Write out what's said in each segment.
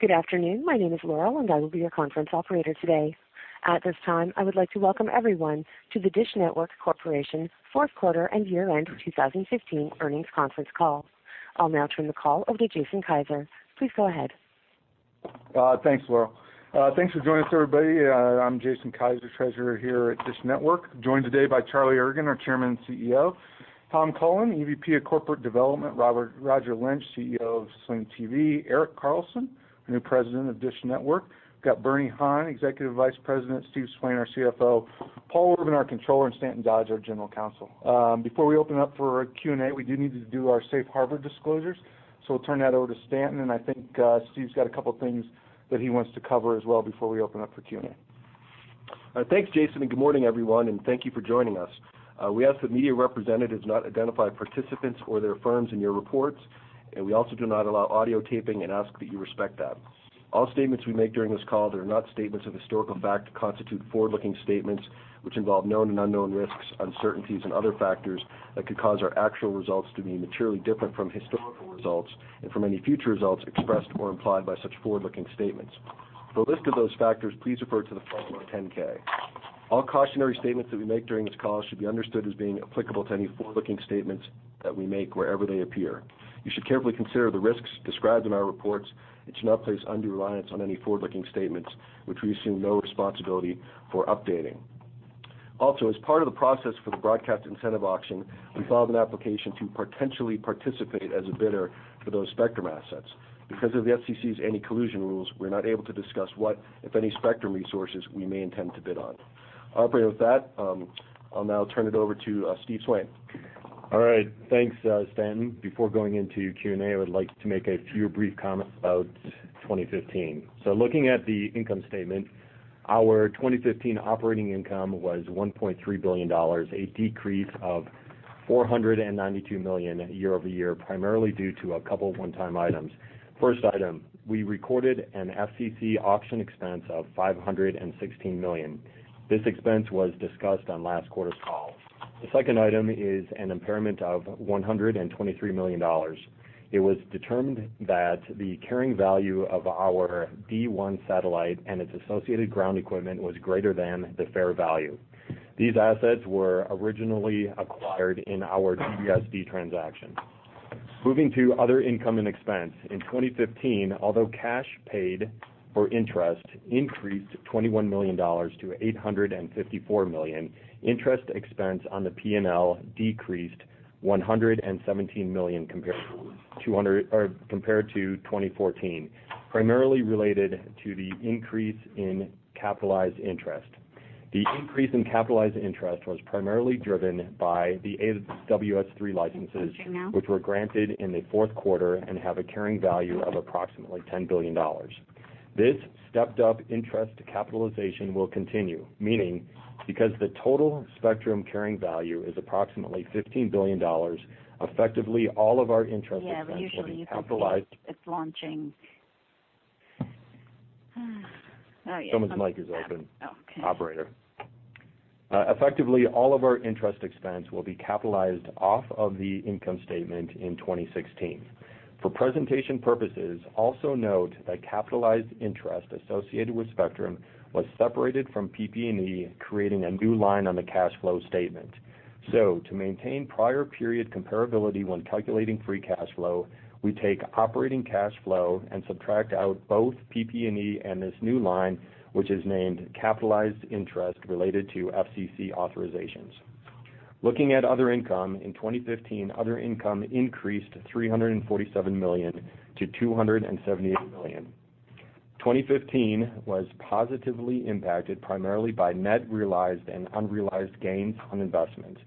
Good afternoon. My name is Laurel, and I will be your conference operator today. At this time, I would like to welcome everyone to the DISH Network Corporation fourth quarter and year-end 2015 earnings conference call. I'll now turn the call over to Jason Kiser. Please go ahead. Thanks, Laurel. Thanks for joining us, everybody. I'm Jason Kiser, Treasurer here at DISH Network, joined today by Charlie Ergen, our Chairman and CEO, Tom Cullen, EVP of Corporate Development, Roger Lynch, CEO of Sling TV, Erik Carlson, the new President of DISH Network. We've got Bernie Han, Executive Vice President, Steve Swain, our CFO, Paul W. Orban, our Controller, and Stanton Dodge, our General Counsel. Before we open up for our Q&A, we do need to do our safe harbor disclosures. We'll turn that over to Stanton, and I think Steve's got a couple of things that he wants to cover as well before we open up for Q&A. Thanks, Jason, and good morning, everyone, and thank you for joining us. We ask that media representatives not identify participants or their firms in your reports, and we also do not allow audio taping and ask that you respect that. All statements we make during this call that are not statements of historical fact constitute forward-looking statements which involve known and unknown risks, uncertainties and other factors that could cause our actual results to be materially different from historical results and from any future results expressed or implied by such forward-looking statements. For a list of those factors, please refer to the front of our 10-K. All cautionary statements that we make during this call should be understood as being applicable to any forward-looking statements that we make wherever they appear. You should carefully consider the risks described in our reports and should not place undue reliance on any forward-looking statements, which we assume no responsibility for updating. Also, as part of the process for the Broadcast Incentive Auction, we filed an application to potentially participate as a bidder for those spectrum assets. Because of the SEC's anti-collusion rules, we're not able to discuss what, if any, spectrum resources we may intend to bid on. Operator, with that, I'll now turn it over to Steve Swain. All right. Thanks, Stanton. Before going into Q&A, I would like to make a few brief comments about 2015. Looking at the income statement, our 2015 operating income was $1.3 billion, a decrease of $492 million year-over-year, primarily due to a couple of one-time items. First item, we recorded an FCC auction expense of $516 million. This expense was discussed on last quarter's call. The second item is an impairment of $123 million. It was determined that the carrying value of our D1 satellite and its associated ground equipment was greater than the fair value. These assets were originally acquired in our DBSD transaction. Moving to other income and expense, in 2015, although cash paid for interest increased $21 million-$854 million, interest expense on the P&L decreased $117 million compared to 2014, primarily related to the increase in capitalized interest. The increase in capitalized interest was primarily driven by the AWS-3 licenses. It's launching now. which were granted in the fourth quarter and have a carrying value of approximately $10 billion. This stepped-up interest capitalization will continue. Meaning, because the total spectrum carrying value is approximately $15 billion, effectively all of our interest expense will be capitalized. Yeah, usually you can see it's launching. Yeah. Someone's mic is open. Okay. Effectively, all of our interest expense will be capitalized off of the income statement in 2016. For presentation purposes, also note that capitalized interest associated with spectrum was separated from PP&E, creating a new line on the cash flow statement. To maintain prior period comparability when calculating free cash flow, we take operating cash flow and subtract out both PP&E and this new line, which is named Capitalized Interest Related to FCC Authorizations. Looking at other income, in 2015, other income increased $347 million-$278 million. 2015 was positively impacted primarily by net realized and unrealized gains on investments.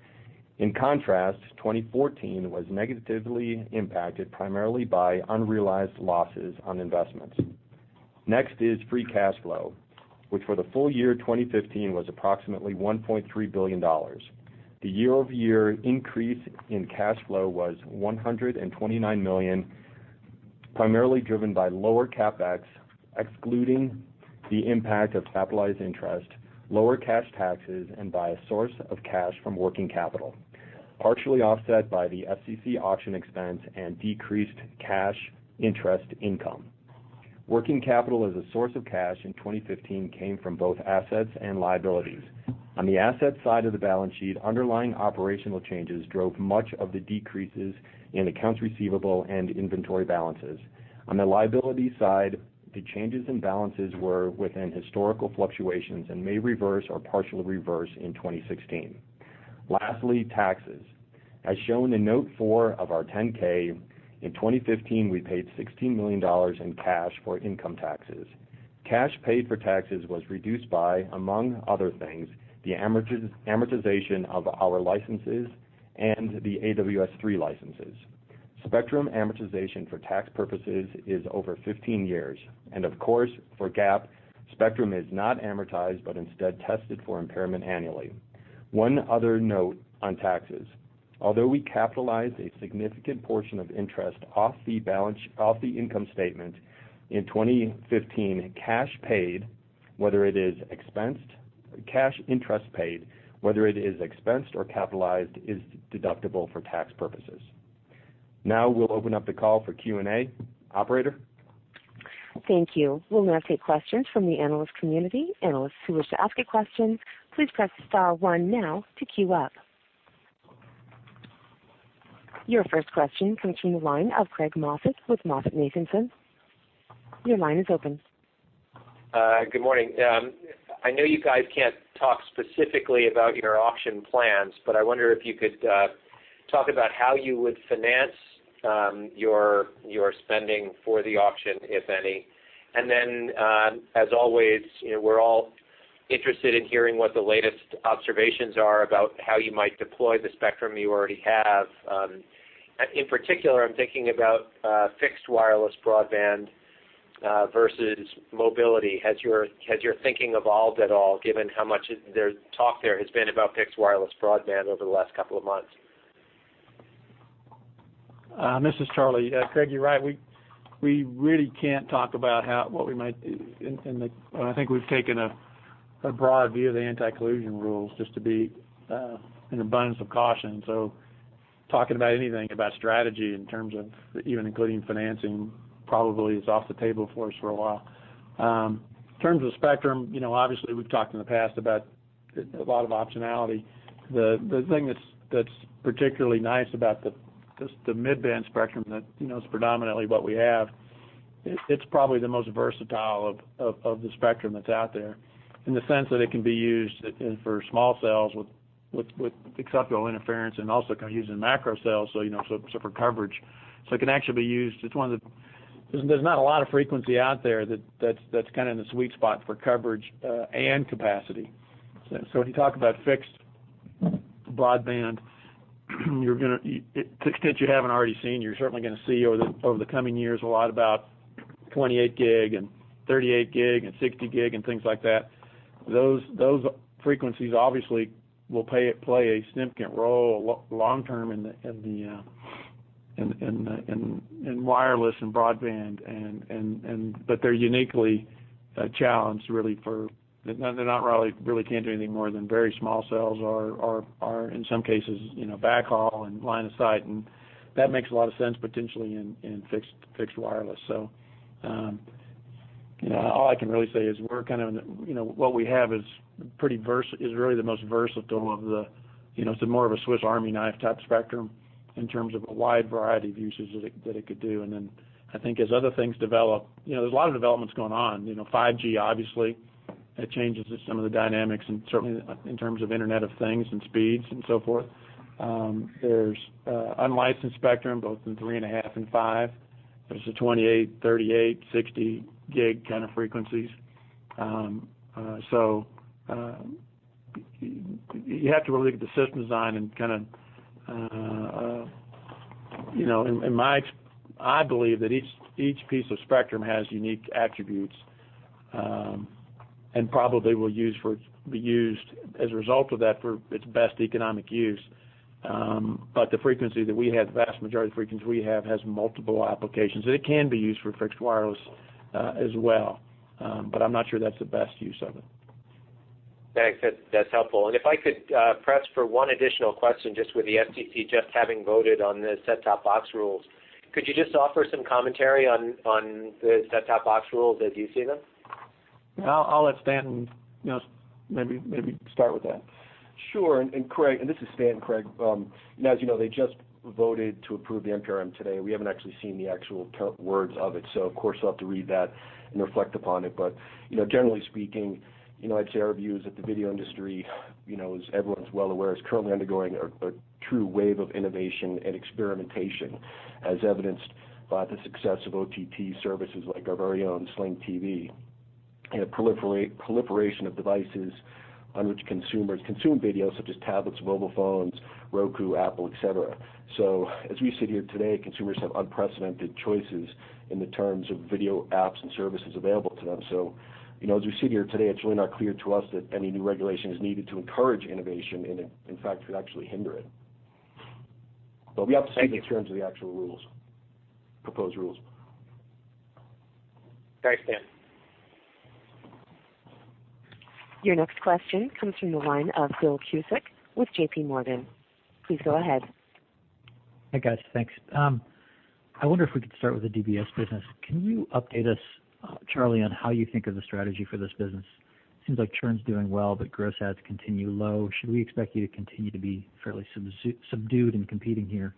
In contrast, 2014 was negatively impacted primarily by unrealized losses on investments. Next is free cash flow, which for the full year 2015 was approximately $1.3 billion. The year-over-year increase in cash flow was $129 million, primarily driven by lower CapEx, excluding the impact of capitalized interest, lower cash taxes, and by a source of cash from working capital, partially offset by the FCC auction expense and decreased cash interest income. Working capital as a source of cash in 2015 came from both assets and liabilities. On the asset side of the balance sheet, underlying operational changes drove much of the decreases in accounts receivable and inventory balances. On the liability side, the changes in balances were within historical fluctuations and may reverse or partially reverse in 2016. Lastly, taxes. As shown in note four of our 10-K, in 2015, we paid $16 million in cash for income taxes. Cash paid for taxes was reduced by, among other things, the amortization of our licenses and the AWS3 licenses. Spectrum amortization for tax purposes is over 15 years, of course, for GAAP, spectrum is not amortized but instead tested for impairment annually. One other note on taxes. Although we capitalized a significant portion of interest off the income statement in 2015, cash paid. Whether it is cash interest paid, whether it is expensed or capitalized, is deductible for tax purposes. We'll open up the call for Q&A. Operator? Thank you. We'll now take questions from the analyst community. Analysts who wish to ask a question, please press star one now to queue up. Your first question comes from the line of Craig Moffett with MoffettNathanson. Your line is open. Good morning. I know you guys can't talk specifically about your auction plans, but I wonder if you could talk about how you would finance your spending for the auction, if any. As always, you know, we're all interested in hearing what the latest observations are about how you might deploy the spectrum you already have. In particular, I'm thinking about fixed wireless broadband versus mobility. Has your thinking evolved at all given how much talk there has been about fixed wireless broadband over the last couple of months? This is Charlie. Craig, you're right. We really can't talk about what we might do in the I think we've taken a broad view of the anti-collusion rules just to be in abundance of caution. Talking about anything about strategy in terms of even including financing probably is off the table for us for a while. In terms of spectrum, you know, obviously, we've talked in the past about a lot of optionality. The thing that's particularly nice about the mid-band spectrum that, you know, is predominantly what we have, it's probably the most versatile of the spectrum that's out there in the sense that it can be used for small cells with acceptable interference and also can use in macro cells, so, you know, for coverage. It can actually be used. There's not a lot of frequency out there that's kind of in the sweet spot for coverage and capacity. When you talk about fixed broadband, you're going to the extent you haven't already seen, you're certainly going to see over the coming years a lot about 28 gig and 38 gig and 60 gig and things like that. Those frequencies obviously will play a significant role long term in the wireless and broadband, but they're uniquely challenged really for. They really can't do anything more than very small cells or in some cases, you know, backhaul and line of sight, and that makes a lot of sense potentially in fixed wireless. You know, all I can really say is we're kind of, you know, what we have is really the most versatile of the, you know, it's more of a Swiss Army knife type spectrum in terms of a wide variety of uses that it could do. I think as other things develop, you know, there's a lot of developments going on. You know, 5G obviously, it changes some of the dynamics and certainly in terms of Internet of Things and speeds and so forth. There's unlicensed spectrum both in 3.5 and 5. There's the 28, 38, 60 gig kind of frequencies. You have to really look at the system design and kind of, you know, I believe that each piece of spectrum has unique attributes, and probably will be used as a result of that for its best economic use. The frequency that we have, the vast majority of frequencies we have, has multiple applications, and it can be used for fixed wireless, as well. I'm not sure that's the best use of it. Thanks. That's helpful. If I could press for one additional question, just with the FCC just having voted on the set-top box rules, could you just offer some commentary on the set-top box rules as you see them? I'll let Stan, you know, maybe start with that. Sure. And this is Stan, Craig. As you know, they just voted to approve the NPRM today. We haven't actually seen the actual words of it, of course, we'll have to read that and reflect upon it. You know, generally speaking, you know, I'd say our view is that the video industry, you know, as everyone's well aware, is currently undergoing a true wave of innovation and experimentation, as evidenced by the success of OTT services like our very own Sling TV and the proliferation of devices on which consumers consume videos such as tablets, mobile phones, Roku, Apple, et cetera. As we sit here today, consumers have unprecedented choices in the terms of video apps and services available to them. You know, as we sit here today, it's really not clear to us that any new regulation is needed to encourage innovation and in fact, could actually hinder it. We have to see. Thank you. The terms of the actual rules, proposed rules. Thanks, Stan. Your next question comes from the line of Philip Cusick with JPMorgan. Please go ahead. Hi, guys. Thanks. I wonder if we could start with the DBS business. Can you update us, Charlie, on how you think of the strategy for this business? Seems like churn's doing well, but gross adds continue low. Should we expect you to continue to be fairly subdued in competing here?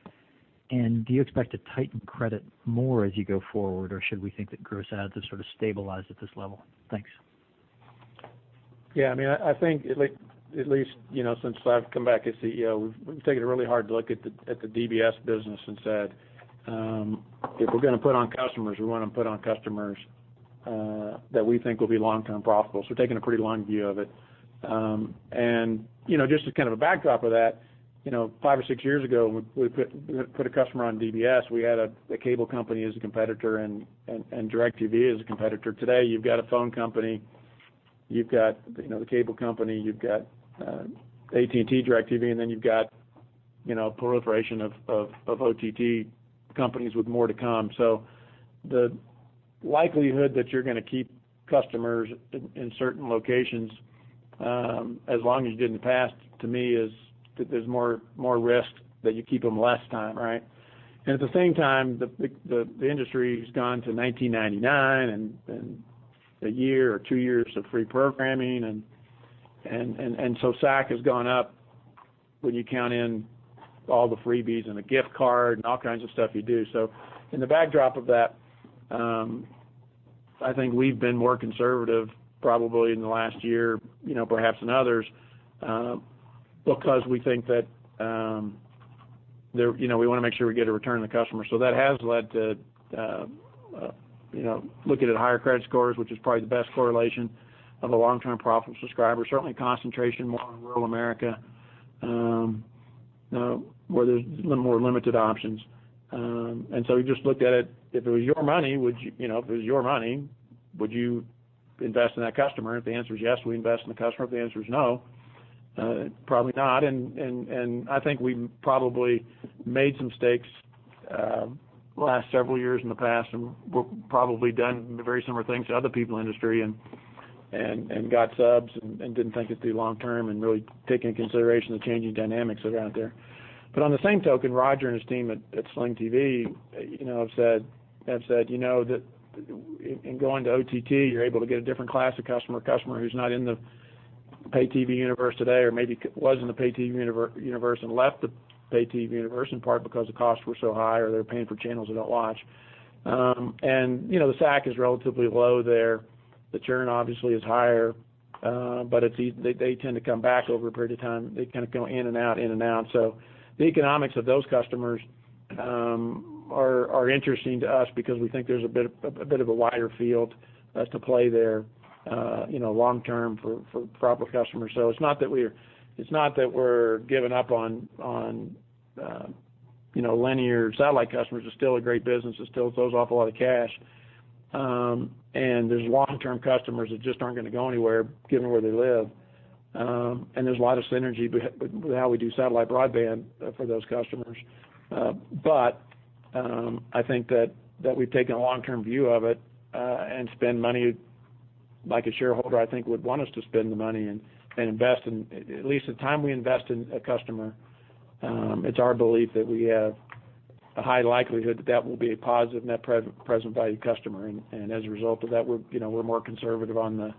Do you expect to tighten credit more as you go forward, or should we think that gross adds have sort of stabilized at this level? Thanks. Yeah, I mean, I think at least, you know, since I've come back as CEO, we've taken a really hard look at the DBS business and said, if we're gonna put on customers, we wanna put on customers that we think will be long-term profitable. We're taking a pretty long view of it. You know, just as kind of a backdrop of that, you know, five or six years ago, when we put a customer on DBS, we had a cable company as a competitor and DirecTV as a competitor. Today, you've got a phone company, you've got, you know, the cable company, you've got AT&T, DirecTV, and then you've got proliferation of OTT companies with more to come. The likelihood that you're gonna keep customers in certain locations, as long as you did in the past, to me is that there's more, more risk that you keep them less time. At the same time, the industry's gone to 1999 and a year or two years of free programming and so SAC has gone up when you count in all the freebies and the gift card and all kinds of stuff you do. In the backdrop of that, I think we've been more conservative probably in the last year, you know, perhaps than others, because we think that, you know, we wanna make sure we get a return on the customer. That has led to, you know, looking at higher credit scores, which is probably the best correlation of a long-term profit subscriber. Certainly concentration more on rural America, you know, where there's more limited options. We just looked at it, if it was your money, would you know, if it was your money, would you invest in that customer? If the answer is yes, we invest in the customer. If the answer is no, probably not. I think we probably made some mistakes the last several years in the past, and we're probably done very similar things to other people in the industry and got subs and didn't think it through long term and really take into consideration the changing dynamics that are out there. On the same token, Roger and his team at Sling TV, you know, have said, you know, that in going to OTT, you're able to get a different class of customer, a customer who's not in the pay TV universe today or maybe was in the pay TV universe and left the pay TV universe in part because the costs were so high or they're paying for channels they don't watch. You know, the SAC is relatively low there. The churn obviously is higher, they tend to come back over a period of time. They kind of go in and out, in and out. The economics of those customers are interesting to us because we think there's a bit of a wider field to play there, you know, long term for proper customers. It's not that we're giving up on, you know, linear satellite customers. It's still a great business. It still throws off a lot of cash. There's long-term customers that just aren't gonna go anywhere given where they live. There's a lot of synergy with how we do satellite broadband for those customers. I think that we've taken a long-term view of it and spend money like a shareholder, I think would want us to spend the money and invest in at least the time we invest in a customer. It's our belief that we have a high likelihood that that will be a positive net present value customer. As a result of that, we're more conservative on the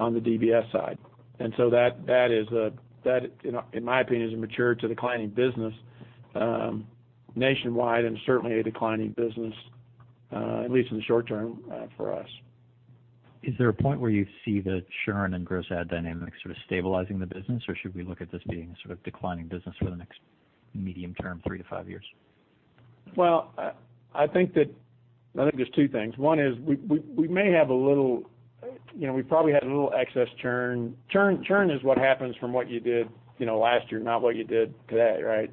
DBS side. That, in my opinion, is a mature to declining business, nationwide and certainly a declining business, at least in the short term, for us. Is there a point where you see the churn and gross add dynamics sort of stabilizing the business, or should we look at this being sort of declining business for the next medium term, three to five years? Well, I think there's two things. One is we may have a little, you know, we probably had a little excess churn. Churn is what happens from what you did, you know, last year, not what you did today, right?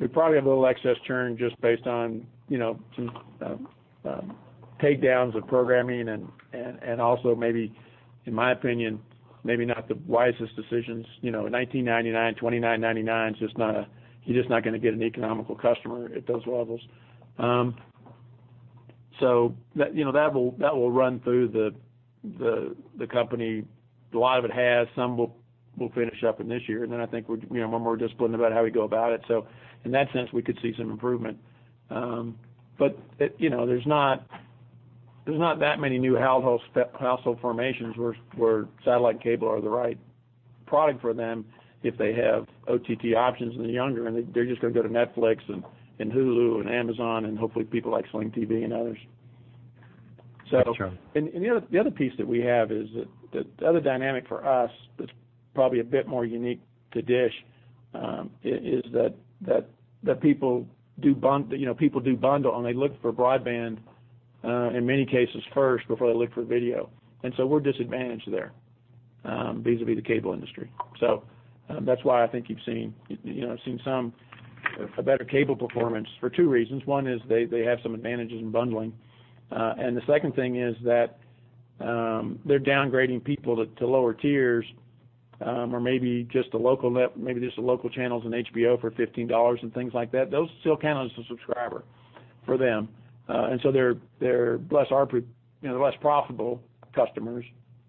We probably have a little excess churn just based on, you know, some takedowns of programming and also maybe, in my opinion, maybe not the wisest decisions. You know, in $19.99, $29.99 is just not gonna get an economical customer at those levels. That, you know, that will run through the company. A lot of it has. Some will finish up in this year. Then I think we're, you know, we're more disciplined about how we go about it. In that sense, we could see some improvement. You know, there's not that many new household formations where satellite and cable are the right product for them if they have OTT options and they're younger, and they're just gonna go to Netflix and Hulu and Amazon and hopefully people like Sling TV and others. Sure. The other piece that we have is that the other dynamic for us that's probably a bit more unique to DISH, is that you know, people do bundle and they look for broadband in many cases first before they look for video. We're disadvantaged there vis-a-vis the cable industry. That's why I think you've seen, you know, better cable performance for two reasons. One is they have some advantages in bundling. The second thing is that they're downgrading people to lower tiers, or maybe just the local channels and HBO for $15 and things like that. Those still count as a subscriber for them. They're, they're less ARPU, you know, they're less profitable customers,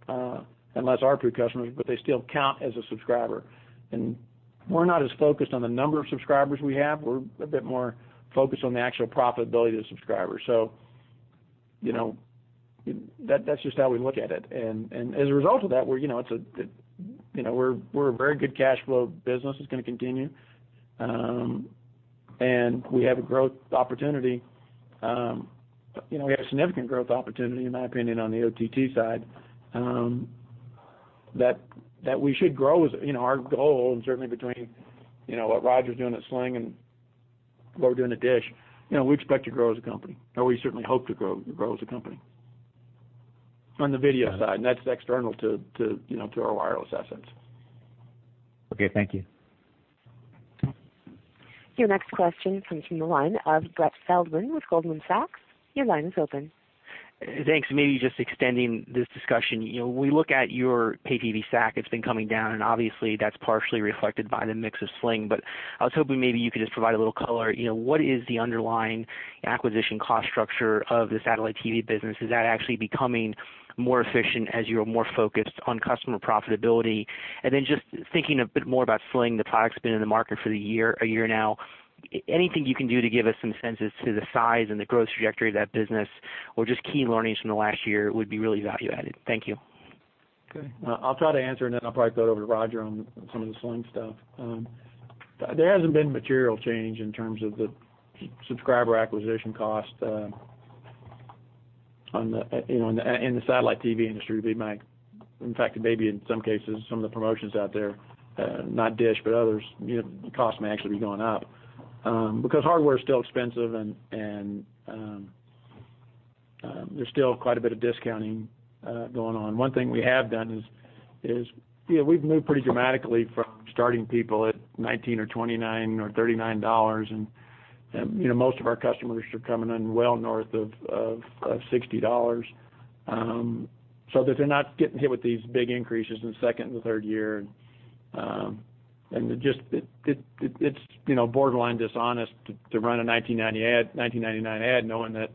and less ARPU customers, but they still count as a subscriber. We're not as focused on the number of subscribers we have. We're a bit more focused on the actual profitability of the subscribers. You know, that's just how we look at it. As a result of that, we're, you know, we're a very good cash flow business that's gonna continue. We have a growth opportunity. you know, we have significant growth opportunity, in my opinion, on the OTT side, that we should grow as you know, our goal and certainly between, you know, what Roger's doing at Sling and what we're doing at DISH, you know, we expect to grow as a company, or we certainly hope to grow as a company on the video side. That's external to, you know, to our wireless assets. Okay. Thank you. Your next question comes from the line of Brett Feldman with Goldman Sachs. Your line is open. Thanks. Maybe just extending this discussion. You know, when we look at your pay TV SAC, it's been coming down, and obviously, that's partially reflected by the mix of Sling. I was hoping maybe you could just provide a little color. You know, what is the underlying acquisition cost structure of the satellite TV business? Is that actually becoming more efficient as you are more focused on customer profitability? Just thinking a bit more about Sling, the product's been in the market a year now. Anything you can do to give us some sense as to the size and the growth trajectory of that business, or just key learnings from the last year would be really value added. Thank you. Okay. I'll try to answer, and then I'll probably throw it over to Roger on some of the Sling stuff. There hasn't been material change in terms of the subscriber acquisition cost on the satellite TV industry. In fact, it may be in some cases, some of the promotions out there, not DISH, but others, the cost may actually be going up because hardware is still expensive and there's still quite a bit of discounting going on. One thing we have done is, you know, we've moved pretty dramatically from starting people at $19 or $29 or $39, and, you know, most of our customers are coming in well north of $60, so that they're not getting hit with these big increases in the second and the third year. Just it's, you know, borderline dishonest to run a 1999 ad knowing that,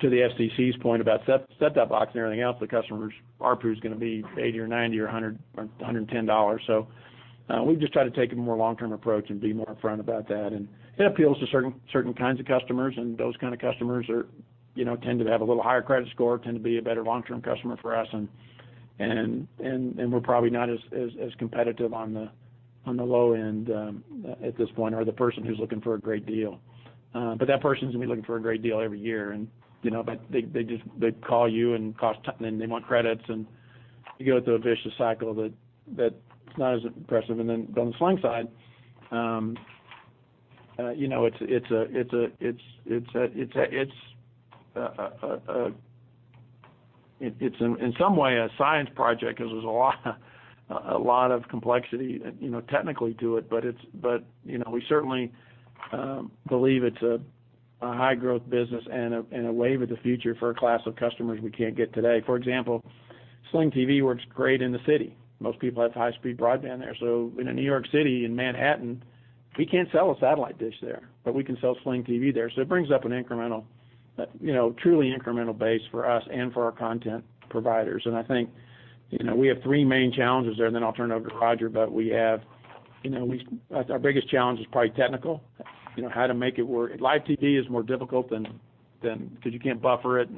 to the FCC's point about set-top box and everything else, the customer's ARPU is gonna be $80 or $90 or $100 or $110. We just try to take a more long-term approach and be more upfront about that. It appeals to certain kinds of customers, and those kind of customers are, you know, tend to have a little higher credit score, tend to be a better long-term customer for us. We're probably not as competitive on the low end at this point or the person who's looking for a great deal. That person is gonna be looking for a great deal every year. You know, they call you and they want credits, and you go through a vicious cycle that's not as aggressive. On the Sling side, you know, it's in some way a science project 'cause there's a lot of complexity, you know, technically to it. You know, we certainly, believe it's a high growth business and a wave of the future for a class of customers we can't get today. For example, Sling TV works great in the city. Most people have high speed broadband there. In a New York City, in Manhattan, we can't sell a satellite DISH there, but we can sell Sling TV there. It brings up an incremental, you know, truly incremental base for us and for our content providers. I think, you know, we have three main challenges there, then I'll turn it over to Roger. We have, you know, our biggest challenge is probably technical. You know, how to make it work. Live TV is more difficult than 'cause you can't buffer it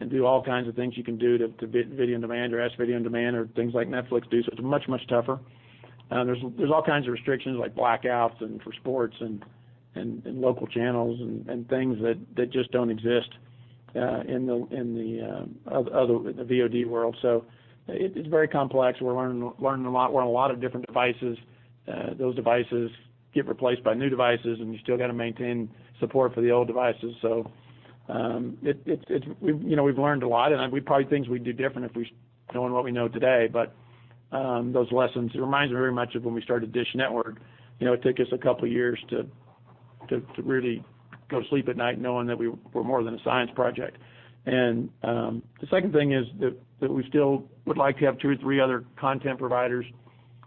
and do all kinds of things you can do to video on demand or SVOD or things like Netflix do. It's much tougher. There's all kinds of restrictions like blackouts for sports and local channels and things that just don't exist in the VOD world. It's very complex. We're learning a lot. We're on a lot of different devices. Those devices get replaced by new devices, and you still got to maintain support for the old devices. It's, you know, we've learned a lot, and we probably things we'd do different if we knowing what we know today. Those lessons, it reminds me very much of when we started DISH Network. You know, it took us a two years to really go to sleep at night knowing that we're more than a science project. The second thing is that we still would like to have two or three other content providers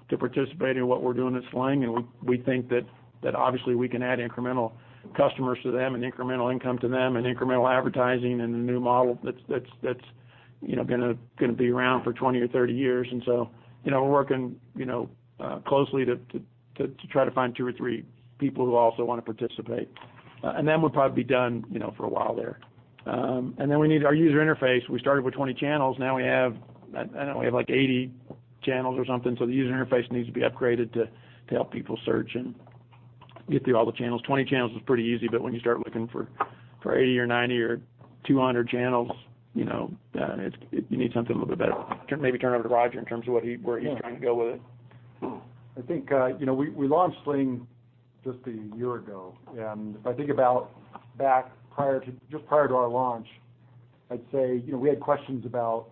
to participate in what we're doing at Sling. We think that obviously we can add incremental customers to them and incremental income to them and incremental advertising and a new model that's, you know, gonna be around for 20 or 30 years. You know, we're working, you know, closely to try to find two or three people who also wanna participate. We'll probably be done, you know, for a while there. We need our user interface. We started with 20 channels. Now we have, I don't know, we have, like, 80 channels or something, so the user interface needs to be upgraded to help people search and get through all the channels. 20 channels is pretty easy, but when you start looking for 80 or 90 or 200 channels, you know, you need something a little bit better. Maybe turn over to Roger in terms of where he's trying to go with it. I think, you know, we launched Sling just a year ago. If I think about back just prior to our launch, I'd say, you know, we had questions about,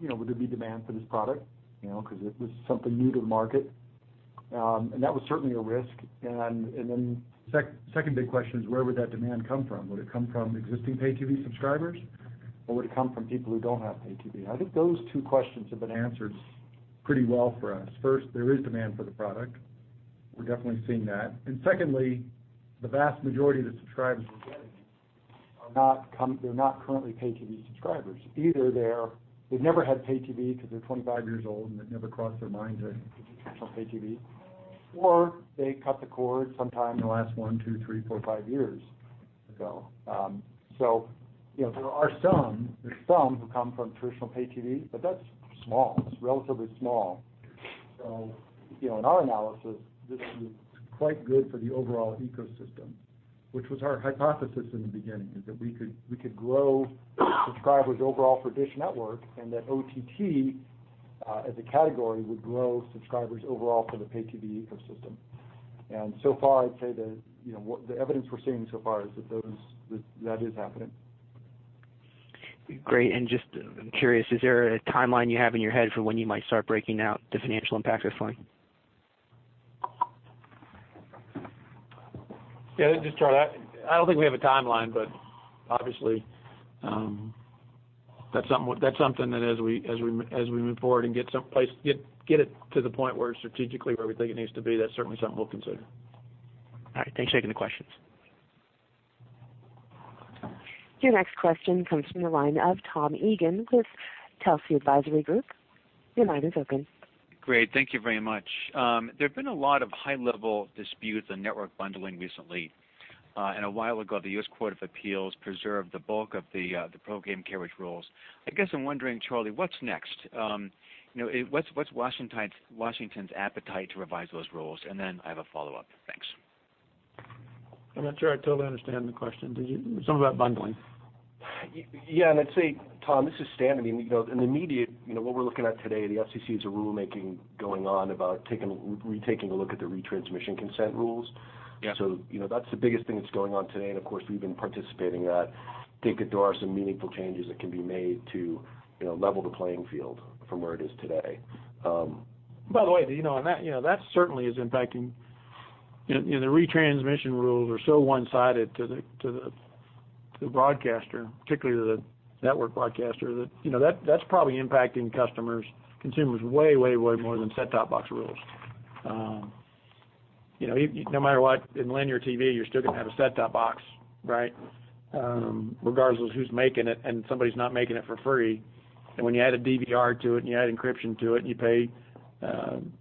you know, would there be demand for this product? You know, because it was something new to the market. That was certainly a risk. Second big question is, where would that demand come from? Would it come from existing pay TV subscribers, or would it come from people who don't have pay TV? I think those two questions have been answered pretty well for us. First, there is demand for the product. We're definitely seeing that. Secondly, the vast majority of the subscribers we're getting are they're not currently pay TV subscribers. Either they've never had pay TV because they're 25 years old and it never crossed their minds to get traditional pay TV, or they cut the cord sometime in the last 1, 2, 3, 4, 5 years ago. You know, there are some, there are some who come from traditional pay TV, but that's small. It's relatively small. You know, in our analysis, this is quite good for the overall ecosystem, which was our hypothesis in the beginning, is that we could, we could grow subscribers overall for DISH Network and that OTT, as a category, would grow subscribers overall for the pay TV ecosystem. So far, I'd say that, you know, the evidence we're seeing so far is that that is happening. Great. Just, I'm curious, is there a timeline you have in your head for when you might start breaking out the financial impact of Sling? Yeah, this is Charlie. I don't think we have a timeline, but obviously, that's something that as we move forward and get it to the point where strategically where we think it needs to be, that's certainly something we'll consider. All right. Thanks for taking the questions. Your next question comes from the line of Tom Eagan with Telsey Advisory Group. Your line is open. Great. Thank you very much. There have been a lot of high-level disputes on network bundling recently. A while ago, the U.S. courts of appeals preserved the bulk of the program carriage rules. I guess I'm wondering, Charlie, what's next? You know, what's Washington's appetite to revise those rules? Then I have a follow-up. Thanks. I'm not sure I totally understand the question. Stan, did you Something about bundling. Yeah, I'd say, Tom, this is Stan. I mean, you know, in the immediate, you know, what we're looking at today, the FCC has a rulemaking going on about re-taking a look at the retransmission consent rules. Yeah. You know, that's the biggest thing that's going on today. Of course, we've been participating that. I think that there are some meaningful changes that can be made to, you know, level the playing field from where it is today. By the way, you know, and that, you know, that certainly is impacting You know, the retransmission rules are so one-sided to the, to the, to the broadcaster, particularly to the network broadcaster, that, you know, that's probably impacting customers, consumers way, way more than set-top box rules. You know, no matter what, in linear TV, you're still gonna have a set-top box, right? Regardless of who's making it, somebody's not making it for free. When you add a DVR to it, and you add encryption to it, and you pay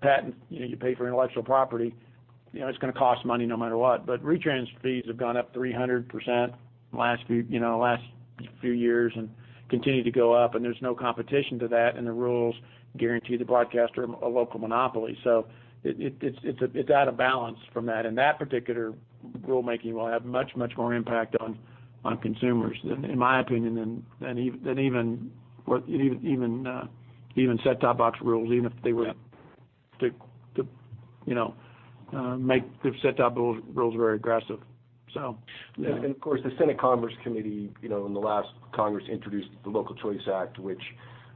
patent, you know, you pay for intellectual property, you know, it's gonna cost money no matter what. Retrans fees have gone up 300% last few years and continue to go up, and there's no competition to that, and the rules guarantee the broadcaster a local monopoly. It's out of balance from that. That particular rulemaking will have much more impact on consumers than, in my opinion, than even what even set-top box rules, even if they were to, you know, make the set-top box rules very aggressive. Of course, the Senate Commerce Committee, you know, in the last Congress, introduced the Local Choice Act, which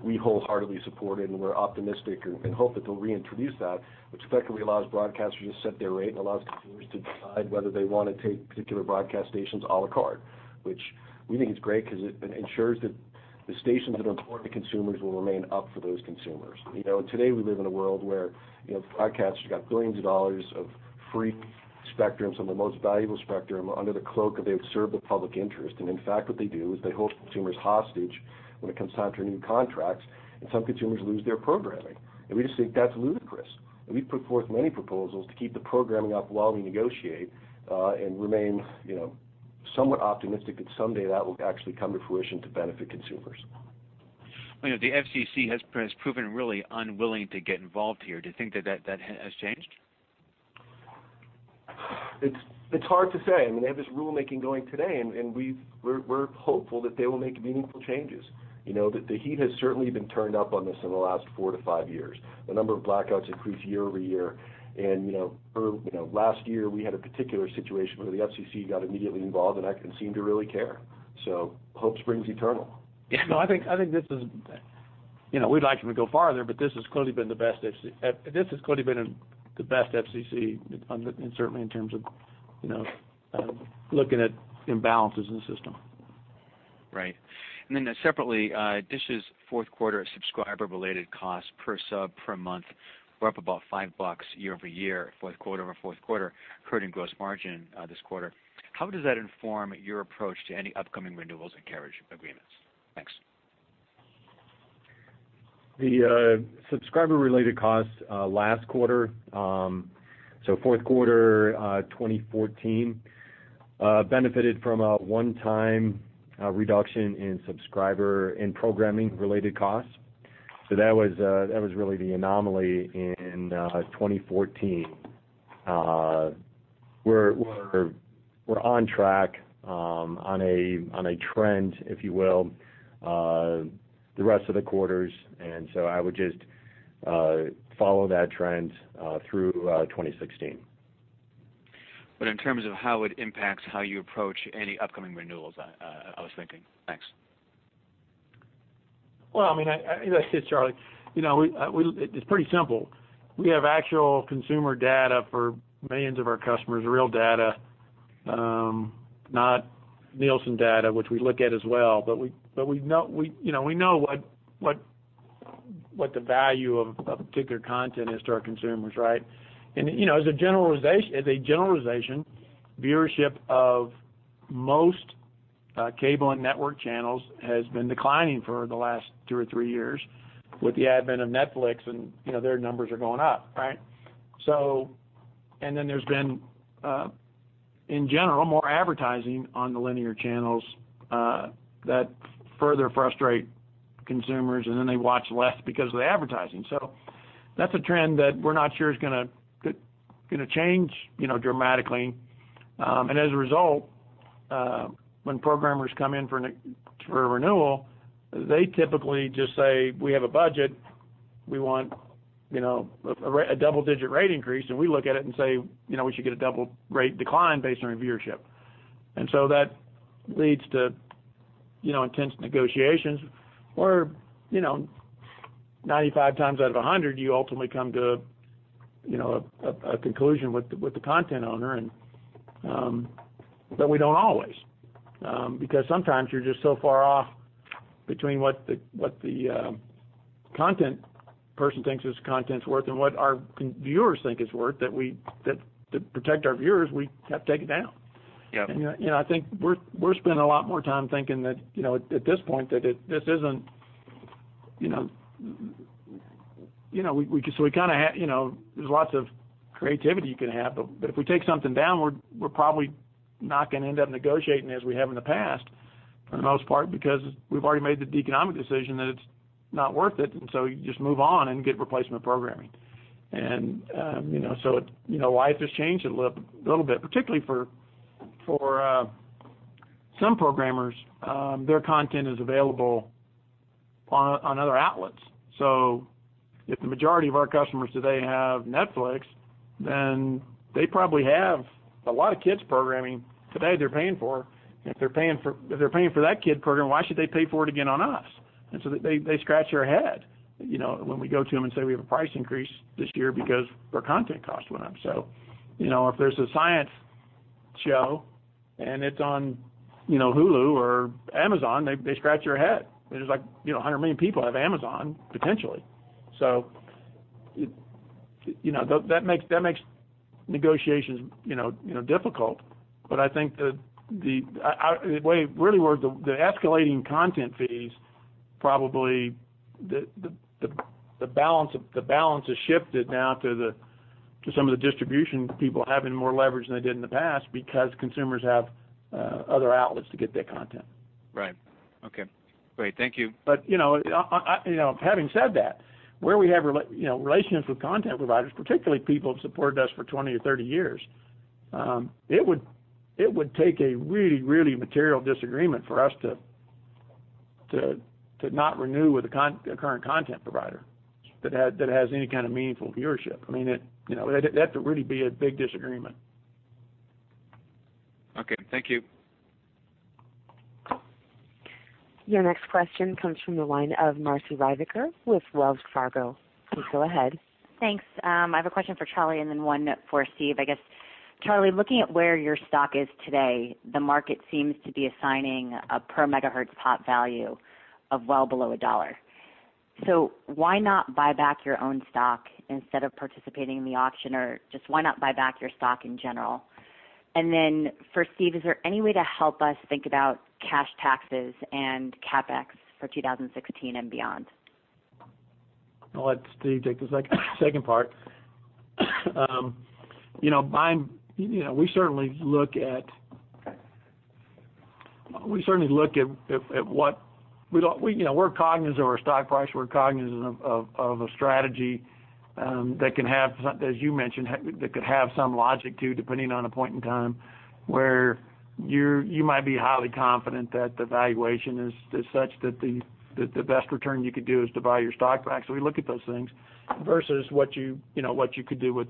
we wholeheartedly supported, and we're optimistic and hope that they'll reintroduce that, which effectively allows broadcasters to set their rate and allows consumers to decide whether they wanna take particular broadcast stations à la carte, which we think is great because it ensures that the stations that are important to consumers will remain up for those consumers. You know, today we live in a world where, you know, broadcasters got billions of dollars of free spectrum, some of the most valuable spectrum under the cloak of they serve the public interest. In fact, what they do is they hold consumers hostage when it comes time to renew contracts, and some consumers lose their programming. We just think that's ludicrous. We've put forth many proposals to keep the programming up while we negotiate, and remain, you know, somewhat optimistic that someday that will actually come to fruition to benefit consumers. You know, the FCC has proven really unwilling to get involved here. Do you think that has changed? It's hard to say. I mean, they have this rulemaking going today, and we're hopeful that they will make meaningful changes. You know, the heat has certainly been turned up on this in the last four to five years. The number of blackouts increased year-over-year. You know, last year we had a particular situation where the FCC got immediately involved and seemed to really care. Hope springs eternal. Yeah, no, I think this is You know, we'd like them to go farther, but this has clearly been the best FCC on the-- and certainly in terms of, you know, looking at imbalances in the system. Right. Separately, DISH's fourth quarter subscriber related costs per sub per month were up about $5 year-over-year, fourth quarter-over-fourth quarter, hurting gross margin this quarter. How does that inform your approach to any upcoming renewals and carriage agreements? Thanks. The subscriber related costs last quarter, so fourth quarter 2014, benefited from a one-time reduction in subscriber and programming related costs. That was really the anomaly in 2014. We're on track on a trend, if you will, the rest of the quarters. I would just follow that trend through 2016. In terms of how it impacts how you approach any upcoming renewals, I was thinking. Thanks. As I said, Charlie, it's pretty simple. We have actual consumer data for millions of our customers, real data, not Nielsen data, which we look at as well. We know what the value of particular content is to our consumers, right? As a generalization, viewership of most cable and network channels has been declining for the last two or three years with the advent of Netflix, their numbers are going up, right? There's been in general more advertising on the linear channels that further frustrate consumers, and then they watch less because of the advertising. That's a trend that we're not sure is gonna change dramatically. As a result, when programmers come in for a renewal, they typically just say, "We have a budget. We want, you know, a double-digit rate increase." We look at it and say, you know, "We should get a double rate decline based on your viewership." That leads to, you know, intense negotiations where, you know, 95 times out of 100, you ultimately come to a conclusion with the content owner. We don't always, because sometimes you're just so far off between what the content person thinks this content's worth and what our viewers think it's worth that to protect our viewers, we have to take it down. Yeah. You know, I think we're spending a lot more time thinking that, you know, at this point that this isn't, you know, we just so we kinda, you know, there's lots of creativity you can have, but if we take something down, we're probably not gonna end up negotiating as we have in the past, for the most part, because we've already made the economic decision that it's not worth it. You just move on and get replacement programming. You know, so it, you know, life has changed a little bit, particularly for some programmers, their content is available on other outlets. If the majority of our customers today have Netflix, then they probably have a lot of kids programming today they're paying for. If they're paying for that kid program, why should they pay for it again on us? They scratch their head, you know, when we go to them and say we have a price increase this year because our content costs went up. You know, if there's a science show and it's on, you know, Hulu or Amazon, they scratch their head. There's like, you know, 100 million people have Amazon, potentially. You know, that makes negotiations, you know, difficult. I think the way it really works, the escalating content fees, probably the balance has shifted now to some of the distribution people having more leverage than they did in the past because consumers have other outlets to get their content. Right. Okay. Great. Thank you. You know, I, you know, having said that, where we have relationships with content providers, particularly people who've supported us for 20 or 30 years, it would take a really, really material disagreement for us to not renew with a current content provider that has any kind of meaningful viewership. I mean, it, you know, that would really be a big disagreement. Okay. Thank you. Your next question comes from the line of Marci Ryvicker with Wells Fargo. Please go ahead. Thanks. I have a question for Charlie and then one for Steve. I guess, Charlie, looking at where your stock is today, the market seems to be assigning a per megahertz pop value of well below $1. Why not buy back your own stock instead of participating in the auction? Just why not buy back your stock in general? Then for Steve, is there any way to help us think about cash taxes and CapEx for 2016 and beyond? I'll let Steve take the second part. you know, buying, you know, we certainly look at what we, you know, we're cognizant of our stock price. We're cognizant of a strategy that can have, as you mentioned, that could have some logic to, depending on a point in time, where you might be highly confident that the valuation is such that the best return you could do is to buy your stock back. We look at those things versus what you know, what you could do with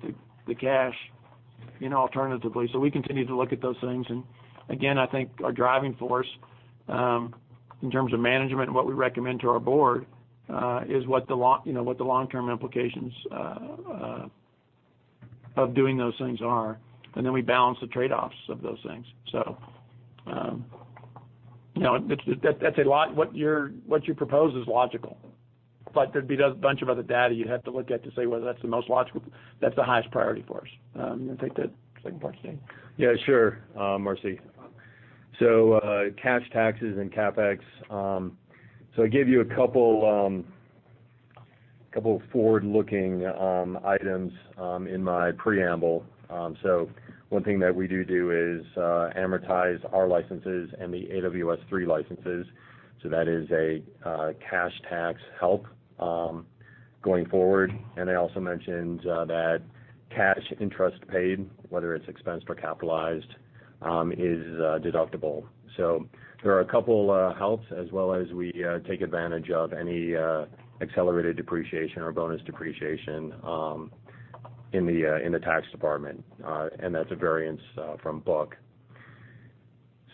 the cash, you know, alternatively. We continue to look at those things. Again, I think our driving force, in terms of management and what we recommend to our board, is, you know, what the long-term implications of doing those things are, and then we balance the trade-offs of those things. You know, that's, what you propose is logical, but there'd be a bunch of other data you'd have to look at to say whether that's the most logical, that's the highest priority for us. You wanna take the second part, Steve? Yeah, sure, Marci. Cash taxes and CapEx. I gave you a couple forward-looking items in my preamble. One thing that we do is amortize our licenses and the AWS3 licenses, so that is a cash tax help going forward. I also mentioned that cash interest paid, whether it's expensed or capitalized, is deductible. There are a couple helps as well as we take advantage of any accelerated depreciation or bonus depreciation in the tax department. That's a variance from book.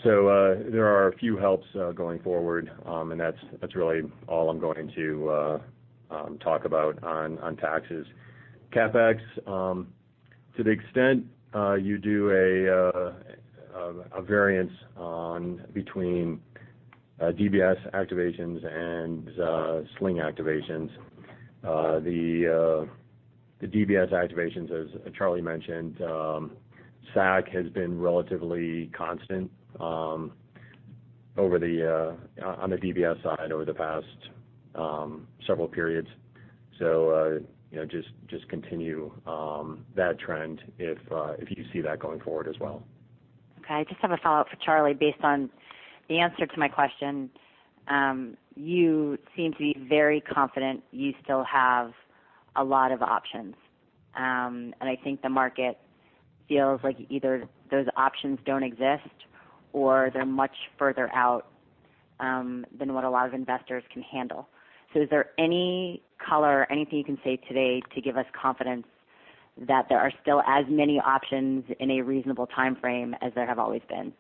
There are a few helps going forward, that's really all I'm going to talk about on taxes. CapEx, to the extent, you do a variance on between DBS activations and Sling activations, the DBS activations, as Charlie mentioned, SAC has been relatively constant over the on the DBS side over the past several periods. You know, just continue that trend if you see that going forward as well. Okay. I just have a follow-up for Charlie based on the answer to my question. You seem to be very confident you still have a lot of options. I think the market feels like either those options don't exist or they're much further out than what a lot of investors can handle. Is there any color or anything you can say today to give us confidence that there are still as many options in a reasonable timeframe as there have always been?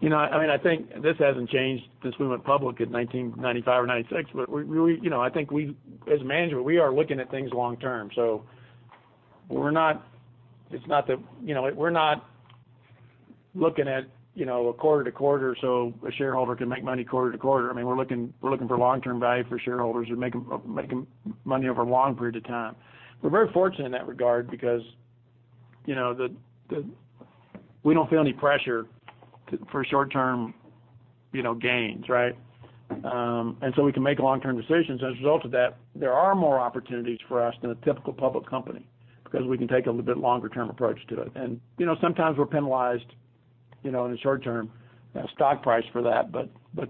You know, I mean, I think this hasn't changed since we went public in 1995 or 1996, but we, you know, I think we as a Manager, we are looking at things long term. It's not that, you know, we're not looking at, you know, quarter-to-quarter so a shareholder can make money quarter-to-quarter. I mean, we're looking for long-term value for shareholders and make 'em money over a long period of time. We're very fortunate in that regard because, you know, we don't feel any pressure for short-term, you know, gains, right? We can make long-term decisions. As a result of that, there are more opportunities for us than a typical public company because we can take a little bit longer-term approach to it. You know, sometimes we're penalized, you know, in the short term, stock price for that.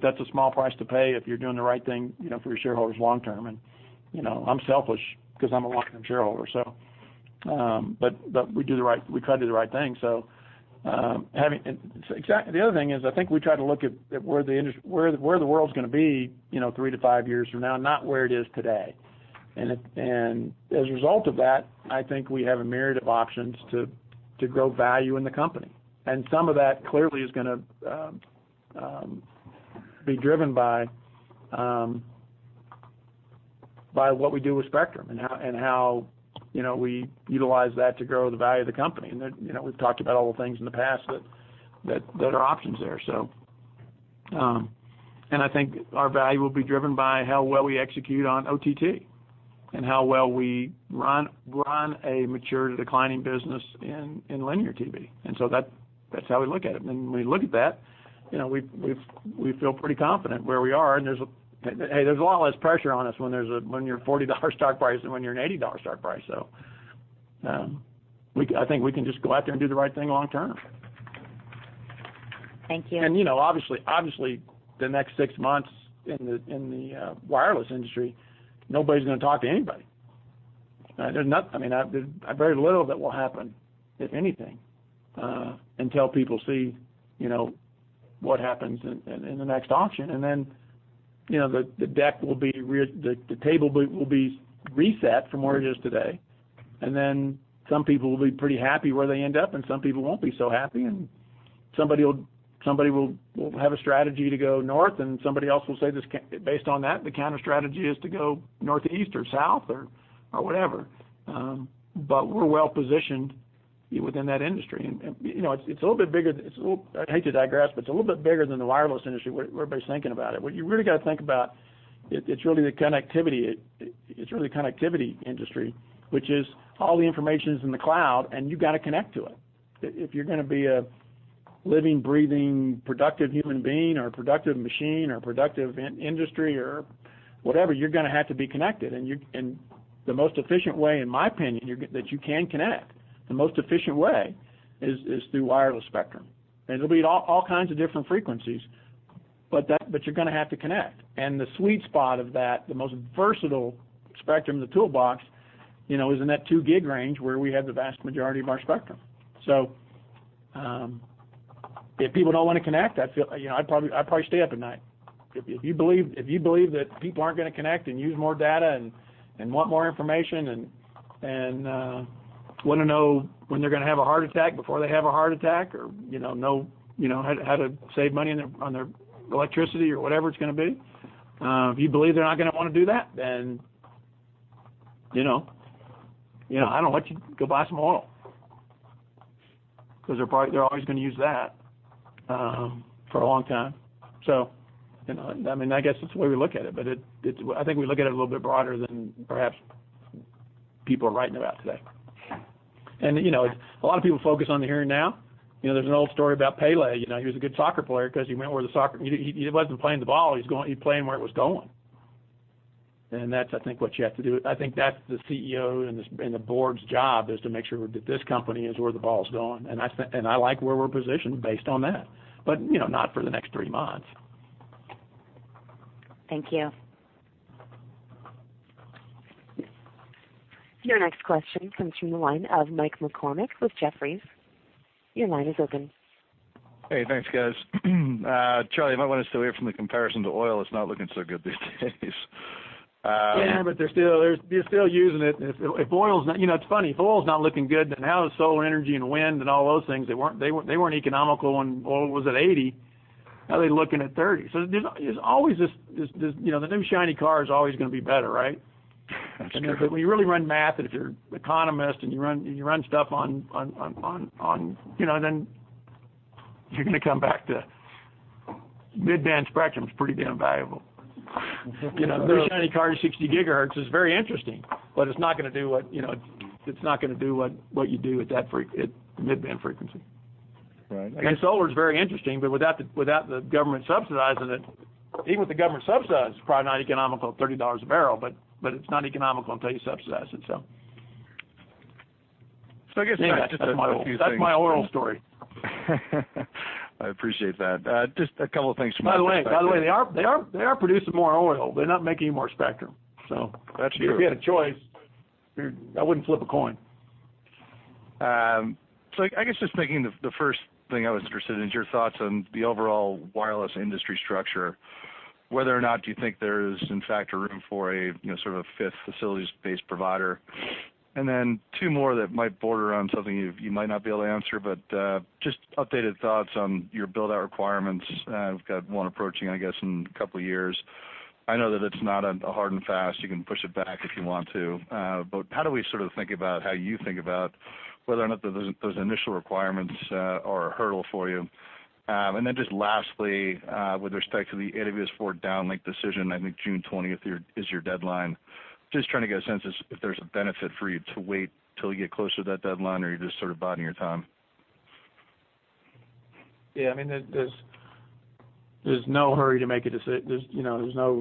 That's a small price to pay if you're doing the right thing, you know, for your shareholders long term. You know, I'm selfish because I'm a long-term shareholder, we try to do the right thing. The other thing is, I think we try to look at where the world's gonna be, you know, three to five years from now, not where it is today. As a result of that, I think we have a myriad of options to grow value in the company. Some of that clearly is gonna be driven by what we do with spectrum and how, you know, we utilize that to grow the value of the company. You know, we've talked about all the things in the past that are options there. I think our value will be driven by how well we execute on OTT and how well we run a mature declining business in linear TV. That's how we look at it. When we look at that, you know, we feel pretty confident where we are, and there's a lot less pressure on us when you're a $40 stock price than when you're an $80 stock price. I think we can just go out there and do the right thing long term. Thank you. You know, obviously, the next six months in the, in the wireless industry, nobody's gonna talk to anybody. I mean, there's very little that will happen, if anything, until people see, you know, what happens in, in the next auction. Then, you know, the table will be reset from where it is today. Then some people will be pretty happy where they end up, and some people won't be so happy, somebody will have a strategy to go north, and somebody else will say this can't be based on that. The counter strategy is to go northeast or south or whatever. We're well positioned within that industry. You know, it's a little bit bigger. I hate to digress, but it's a little bit bigger than the wireless industry where everybody's thinking about it. What you really got to think about, it's really the connectivity. It's really the connectivity industry, which is all the information is in the cloud, and you've got to connect to it. If you're gonna be a living, breathing, productive human being or a productive machine or productive in-industry or whatever, you're gonna have to be connected. And the most efficient way, in my opinion, that you can connect, the most efficient way is through wireless spectrum. It'll be at all kinds of different frequencies, but you're gonna have to connect. The sweet spot of that, the most versatile spectrum in the toolbox, you know, is in that 2 gig range where we have the vast majority of our spectrum. If people don't want to connect, you know, I'd probably stay up at night. If you believe that people are not going to connect and use more data and want more information and want to know when they're going to have a heart attack before they have a heart attack or, you know how to save money on their electricity or whatever it's going to be. If you believe they're not going to want to do that, you know, I don't know go buy some oil because they're always going to use that for a long time. You know, I mean, I guess that's the way we look at it. It's I think we look at it a little bit broader than perhaps people are writing about today. You know, a lot of people focus on the here and now. You know, there's an old story about Pele. You know, he was a good soccer player because he went where the soccer. He wasn't playing the ball. He's playing where it was going. That's, I think, what you have to do. I think that's the CEO and the board's job is to make sure that this company is where the ball's going, and I like where we're positioned based on that, but, you know, not for the next three months. Thank you. Your next question comes from the line of Mike McCormack with Jefferies. Your line is open. Hey, thanks, guys. Charlie, you might want us to hear from the comparison to oil. It's not looking so good these days. They're still using it. If oil is not, you know, it's funny, if oil is not looking good, how is solar energy and wind and all those things? They weren't economical when oil was at $80. How are they looking at $30? There's always this, you know, the new shiny car is always gonna be better, right? That's true. When you really run math and if you're economist and you run stuff on, you know, then you're going to come back to mid-band spectrum is pretty damn valuable. You know, the new shiny car to 60 GHz is very interesting, but it's not going to do what, you know, it's not going to do what you do at that mid-band frequency. Right. Solar is very interesting, but without the government subsidizing it, even with the government subsidized, it's probably not economical at $30 a barrel, but it's not economical until you subsidize it. I guess that's a few things. That's my oil story. I appreciate that. Just a couple of things from my perspective. By the way, they are producing more oil. They're not making any more spectrum. That's true. If you had a choice, I wouldn't flip a coin. I guess just thinking the first thing I was interested in is your thoughts on the overall wireless industry structure. Whether or not, do you think there is in fact a room for a, you know, sort of a fifth facilities-based provider? Then two more that might border on something you might not be able to answer, but just updated thoughts on your build-out requirements. We've got 1 approaching, I guess, in a couple years. I know that it's not a hard and fast, you can push it back if you want to. How do we sort of think about how you think about whether or not those initial requirements are a hurdle for you? Lastly, with respect to the AWS4 downlink decision, I think June 20th is your deadline. Just trying to get a sense if there's a benefit for you to wait till you get closer to that deadline, or you're just sort of biding your time? Yeah. I mean, there's no hurry to make a decision. There's, you know, no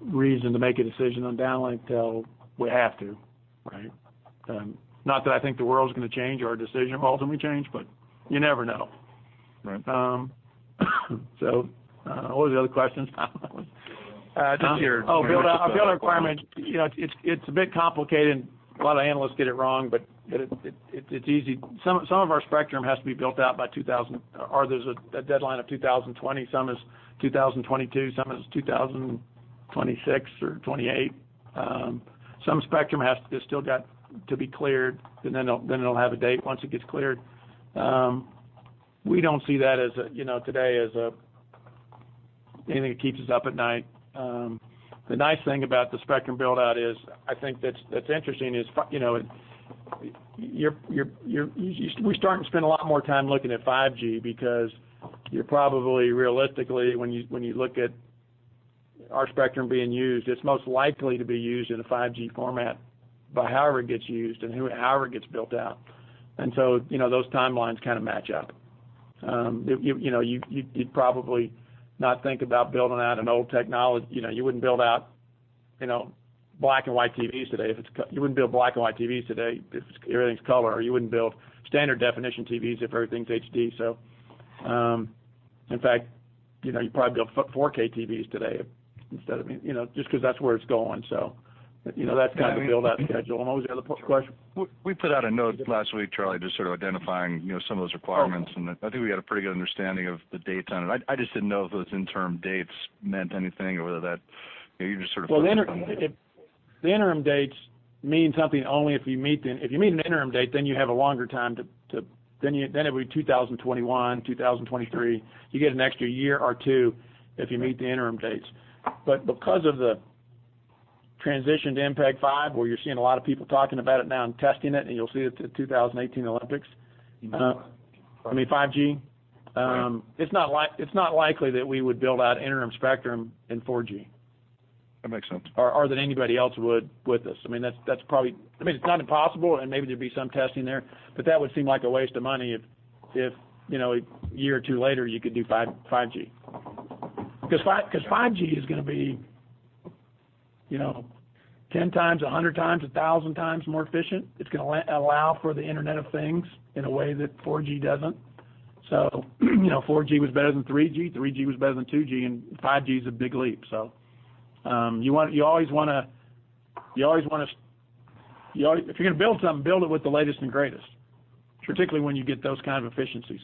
reason to make a decision on downlink till we have to, right? Not that I think the world's gonna change or our decision ultimately change, but you never know. Right. What was the other question? Just your build-out. Build-out. Our build-out requirement, you know, it's a bit complicated and a lot of analysts get it wrong, but it's easy. Some of our spectrum has to be built out by 2000 or there's a deadline of 2020. Some is 2022, some is 2026 or 28. Some spectrum still got to be cleared, then it'll have a date once it gets cleared. We don't see that as a, you know, today as anything that keeps us up at night. The nice thing about the spectrum build-out is, I think that's interesting is you know, We're starting to spend a lot more time looking at 5G because you're probably realistically when you, when you look at our spectrum being used, it's most likely to be used in a 5G format by however it gets used and however it gets built out. You know, those timelines kind of match up. You know, you'd probably not think about building out an old you know, you wouldn't build out, you know, black and white TVs today if it's, everything's color, or you wouldn't build standard definition TVs if everything's HD. In fact, you know, you'd probably build 4K TVs today instead of, you know, just 'cause that's where it's going. You know, that's kind of the build-out schedule. What was the other question? We put out a note last week, Charlie, just sort of identifying, you know, some of those requirements. Oh. I think we had a pretty good understanding of the dates on it. I just didn't know if those interim dates meant anything or whether that, you know, you just sort of focused on. Well, if the interim dates mean something only if you meet an interim date, then you have a longer time to, then it'd be 2021, 2023. You get an extra year or two if you meet the interim dates. Because of the transition to MPEG 5, where you're seeing a lot of people talking about it now and testing it, and you'll see it at the 2018 Olympics. 5G. I mean 5G. Right. It's not likely that we would build out interim spectrum in 4G. That makes sense. That anybody else would with us. I mean, that's probably, it's not impossible and maybe there'd be some testing there, but that would seem like a waste of money if, you know, a year or two later you could do 5, 5G. 5G is gonna be, you know, 10 times, 100 times, 1,000 times more efficient. It's gonna allow for the Internet of Things in a way that 4G doesn't. You know, 4G was better than 3G was better than 2G, and 5G is a big leap. You always wanna, if you're gonna build something, build it with the latest and greatest, particularly when you get those kind of efficiencies.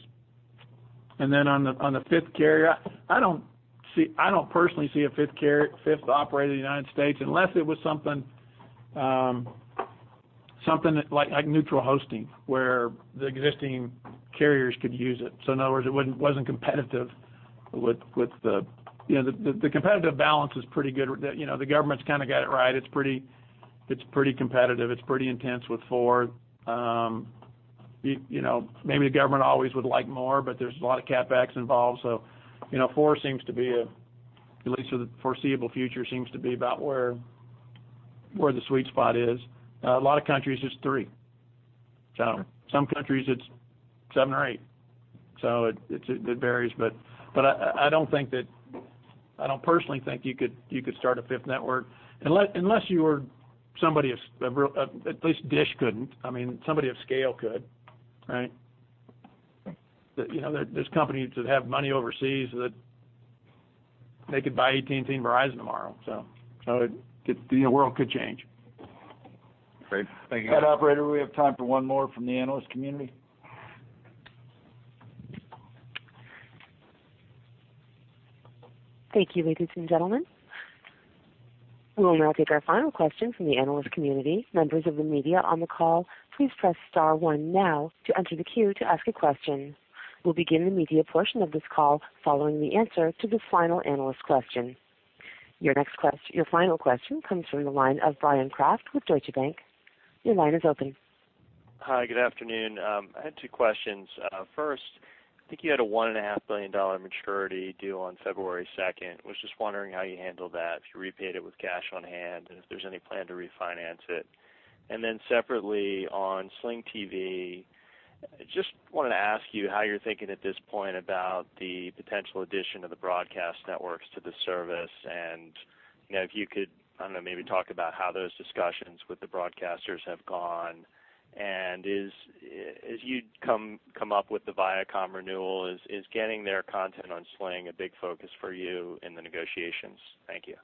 On the fifth carrier, I don't personally see a fifth carrier, fifth operator in the United States, unless it was something like neutral hosting, where the existing carriers could use it. In other words, it wouldn't, wasn't competitive with the You know, the competitive balance is pretty good. You know, the government's kind of got it right. It's pretty competitive. It's pretty intense with four. You know, maybe the government always would like more, but there's a lot of CapEx involved. You know, four seems to be, at least for the foreseeable future, seems to be about where the sweet spot is. A lot of countries, it's three. Some countries it's seven or eight, so it varies. I don't think that, I don't personally think you could start a fifth network unless you were somebody of real. At least DISH couldn't. I mean, somebody of scale could, right? Right. You know, there's companies that have money overseas that they could buy AT&T and Verizon tomorrow, so it could, you know, world could change. Great. Thank you. All right, operator, we have time for one more from the analyst community. Thank you, ladies and gentlemen. We will now take our final question from the analyst community. Members of the media on the call, please press star one now to enter the queue to ask a question. We'll begin the media portion of this call following the answer to the final analyst question. Your final question comes from the line of Bryan Kraft with Deutsche Bank. Your line is open. Hi, good afternoon. I had two questions. First, I think you had a $1.5 billion maturity due on February 2nd. Was just wondering how you handled that, if you repaid it with cash on hand, and if there's any plan to refinance it. Separately, on Sling TV, I just wanted to ask you how you're thinking at this point about the potential addition of the broadcast networks to the service. you know, if you could, I don't know, maybe talk about how those discussions with the broadcasters have gone. as you'd come up with the Viacom renewal, is getting their content on Sling a big focus for you in the negotiations? Thank you.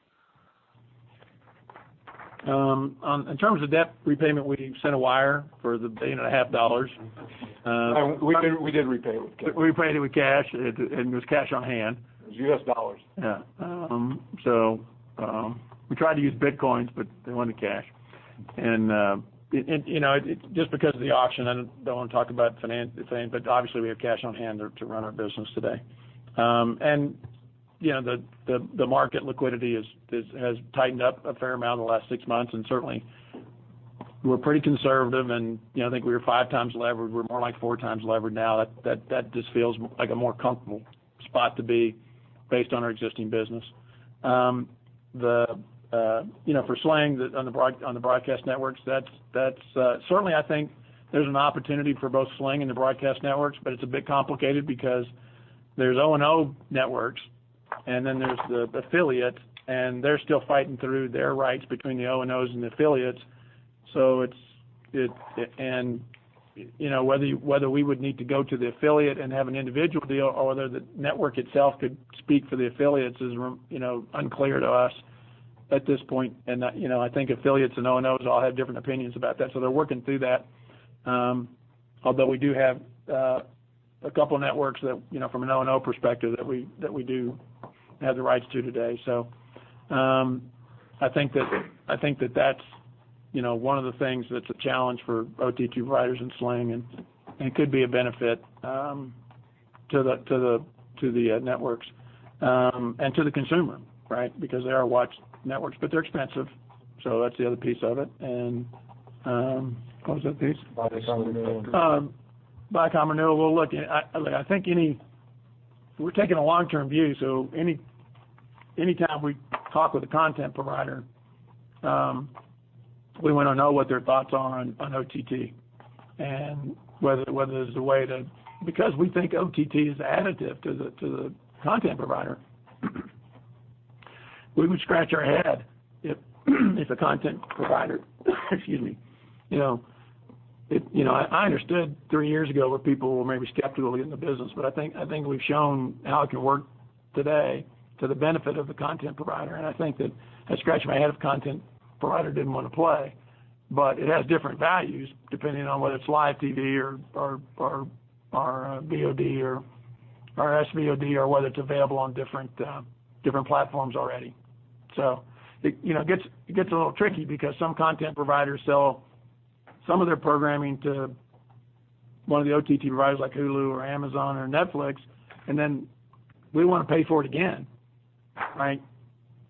In terms of debt repayment, we sent a wire for $1.5 billion. We did repay it with cash. We repaid it with cash. It was cash on hand. It was U.S. dollars. Yeah. We tried to use Bitcoin, but they wanted cash. You know, just because of the auction, I don't wanna talk about finan-things, but obviously we have cash on hand to run our business today. You know, the market liquidity has tightened up a fair amount in the last six months, and certainly we're pretty conservative and, you know, I think we were 5x leveraged. We're more like 4x leveraged now. That just feels like a more comfortable spot to be based on our existing business. You know, for Sling, on the broadcast networks, that's certainly I think there's an opportunity for both Sling and the broadcast networks, but it's a bit complicated because there's O&O networks and then there's the affiliates, and they're still fighting through their rights between the O&Os and the affiliates. It's and, you know, whether you, whether we would need to go to the affiliate and have an individual deal or whether the network itself could speak for the affiliates is, you know, unclear to us at this point. You know, I think affiliates and O&Os all have different opinions about that, they're working through that. Although we do have a couple networks that, you know, from an O&O perspective that we do have the rights to today. I think that that's, you know, one of the things that's a challenge for OTT providers and Sling and could be a benefit to the networks. To the consumer, right? Because they are watched networks, but they're expensive, so that's the other piece of it. What was that piece? Viacom commitment. Viacom commitment. We're taking a long-term view, so anytime we talk with a content provider, we wanna know what their thoughts are on OTT, and whether there's a way to Because we think OTT is additive to the content provider. We would scratch our head if a content provider, excuse me, you know, I understood three years ago where people were maybe skeptical to get in the business, but I think we've shown how it can work today to the benefit of the content provider, and I think that I'd scratch my head if a content provider didn't wanna play. It has different values depending on whether it's live TV or VOD or SVOD or whether it's available on different platforms already. It, you know, it gets a little tricky because some content providers sell some of their programming to one of the OTT providers like Hulu or Amazon or Netflix, and then we wanna pay for it again, right?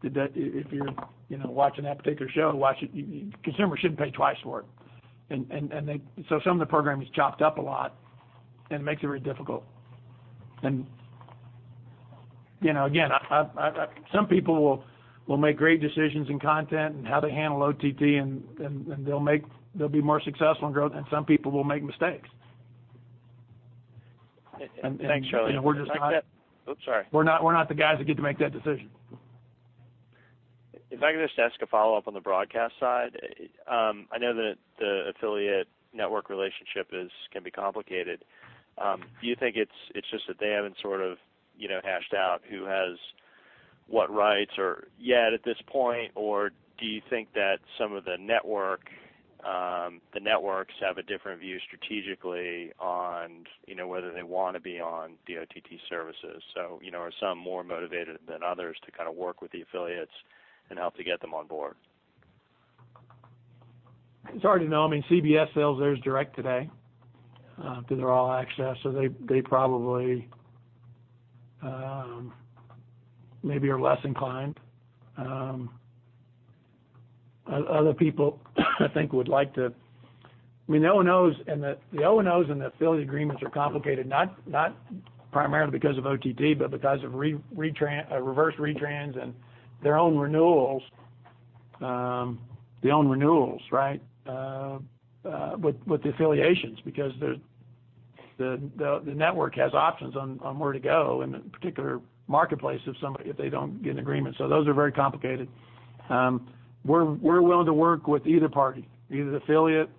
If you're, you know, watching that particular show, to watch it, you consumer shouldn't pay twice for it. Some of the program is chopped up a lot, and it makes it very difficult. You know, again, I, some people will make great decisions in content and how they handle OTT, and they'll be more successful in growth, and some people will make mistakes. Thanks, Charlie. You know, we're just not. Like that Oops, sorry. We're not the guys that get to make that decision. If I could just ask a follow-up on the broadcast side. I know that the affiliate network relationship is, can be complicated. Do you think it's just that they haven't sort of, you know, hashed out who has what rights or yet at this point, or do you think that some of the network, the networks have a different view strategically on, you know, whether they wanna be on the OTT services? You know, are some more motivated than others to kind of work with the affiliates and help to get them on board? It's hard to know. I mean, CBS sells theirs direct today, through their All Access, so they probably, maybe are less inclined. Other people I think would like to I mean, the O&Os and the affiliate agreements are complicated, not primarily because of OTT, but because of reverse retrans and their own renewals, their own renewals, right? With the affiliations because the network has options on where to go in the particular marketplace if somebody, if they don't get an agreement. So those are very complicated. We're willing to work with either party, either the affiliate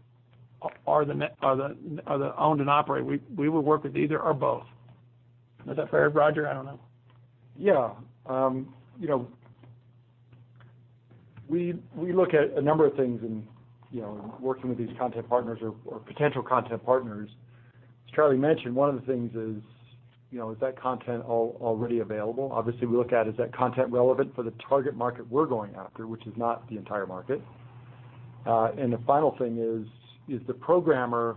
or the owned and operated. We will work with either or both. Is that fair, Roger? I don't know. Yeah. you know, we look at a number of things in, you know, in working with these content partners or potential content partners. As Charlie mentioned, one of the things is, you know, is that content already available? Obviously, we look at is that content relevant for the target market we're going after, which is not the entire market. The final thing is the programmer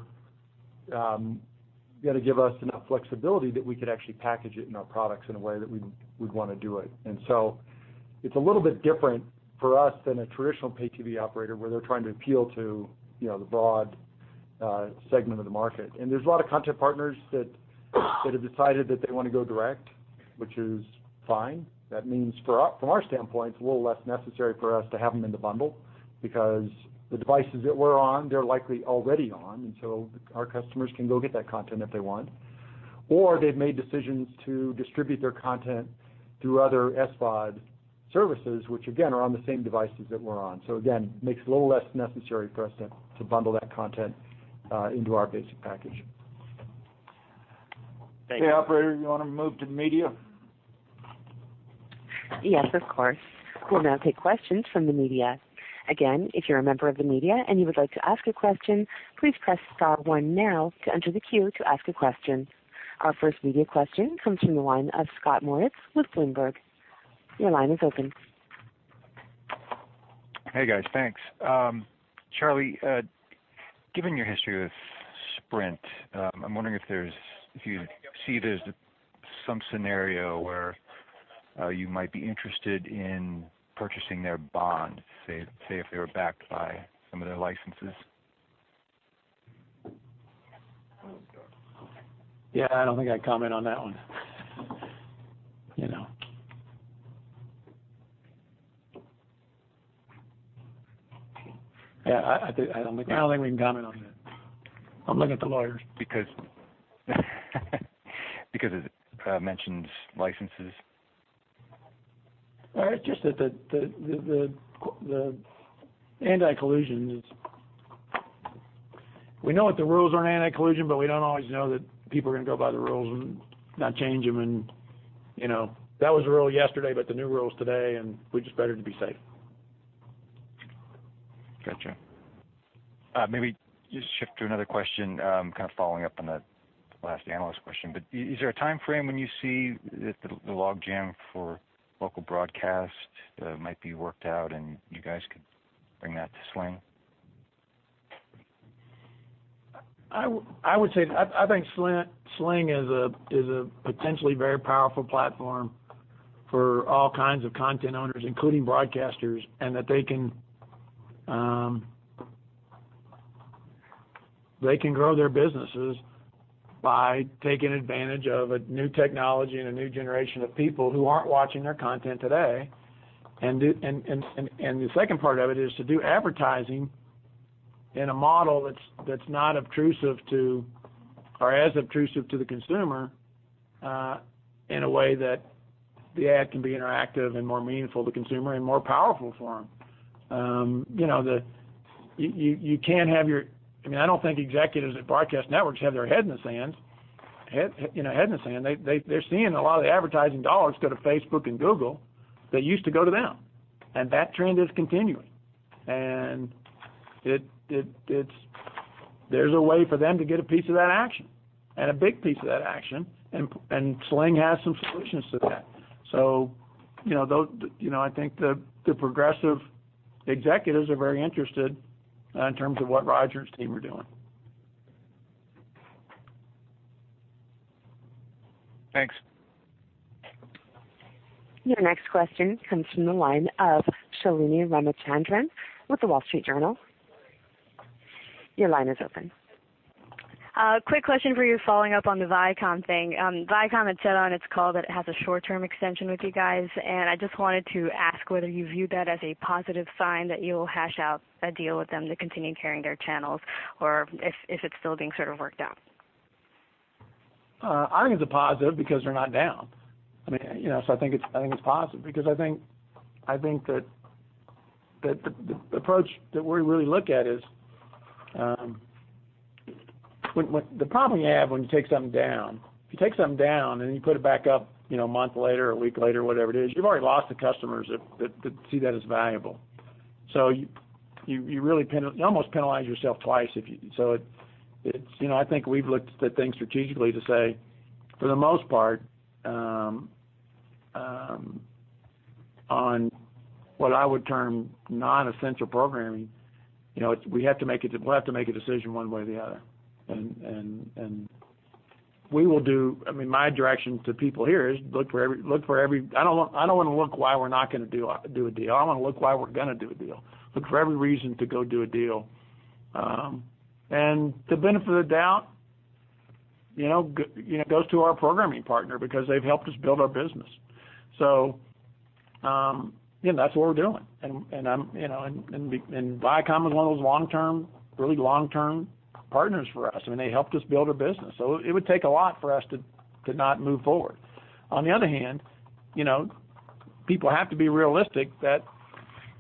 gonna give us enough flexibility that we could actually package it in our products in a way that we'd wanna do it? It's a little bit different for us than a traditional pay TV operator, where they're trying to appeal to, you know, the broad segment of the market. There's a lot of content partners that have decided that they wanna go direct, which is fine. That means for us, from our standpoint, it's a little less necessary for us to have them in the bundle because the devices that we're on, they're likely already on. Our customers can go get that content if they want. They've made decisions to distribute their content through other SVOD services, which again, are on the same devices that we're on. Again, makes it a little less necessary for us to bundle that content into our basic package. Operator, you want to move to the media? Yes, of course. We'll now take questions from the media. Again, if you're a member of the media and you would like to ask a question, please press star one now to enter the queue to ask a question. Our first media question comes from the line of Scott Moritz with Bloomberg. Your line is open. Hey, guys. Thanks. Charlie, given your history with Sprint, I'm wondering if you see there's some scenario where you might be interested in purchasing their bond, say if they were backed by some of their licenses. Yeah, I don't think I can comment on that one. You know. Yeah, I don't think. I don't think we can comment on that. I'm looking at the lawyers. Because it mentions licenses. Well, it's just that the anti-collusion is. We know what the rules are in anti-collusion, but we don't always know that people are going to go by the rules and not change them and, you know. That was the rule yesterday. The new rule is today. We're just better to be safe. Gotcha. Maybe just shift to another question, kind of following up on the last analyst question. Is there a timeframe when you see the log jam for local broadcast might be worked out and you guys could bring that to Sling? I would say I think Sling is a potentially very powerful platform for all kinds of content owners, including broadcasters, and that they can grow their businesses by taking advantage of a new technology and a new generation of people who aren't watching their content today. The second part of it is to do advertising in a model that's not obtrusive to or as obtrusive to the consumer, in a way that the ad can be interactive and more meaningful to consumer and more powerful for them. You know, you can have your I mean, I don't think executives at broadcast networks have their head in the sand, you know, head in the sand. They're seeing a lot of the advertising dollars go to Facebook and Google that used to go to them, and that trend is continuing. There's a way for them to get a piece of that action and a big piece of that action, Sling has some solutions to that. You know, I think the progressive executives are very interested in terms of what Roger's team are doing. Thanks. Your next question comes from the line of Shalini Ramachandran with The Wall Street Journal. Your line is open. Quick question for you following up on the Viacom thing. Viacom had said on its call that it has a short-term extension with you guys, I just wanted to ask whether you view that as a positive sign that you will hash out a deal with them to continue carrying their channels, or if it's still being sort of worked out. I think it's a positive because they're not down. I mean, you know, I think it's positive because I think that the approach that we really look at is, when The problem you have when you take something down, if you take something down and then you put it back up, you know, a month later or a week later, whatever it is, you've already lost the customers that see that as valuable. You almost penalize yourself twice. It's, you know, I think we've looked at things strategically to say, for the most part, on what I would term non-essential programming, you know, we'll have to make a decision one way or the other. We will do I mean, my direction to people here is look for every I don't want to look why we're not gonna do a deal. I want to look why we're gonna do a deal. Look for every reason to go do a deal. The benefit of the doubt, you know, goes to our programming partner because they've helped us build our business. You know, that's what we're doing. I'm, you know, and Viacom is one of those really long-term partners for us. I mean, they helped us build our business. It would take a lot for us to not move forward. On the other hand, you know, people have to be realistic that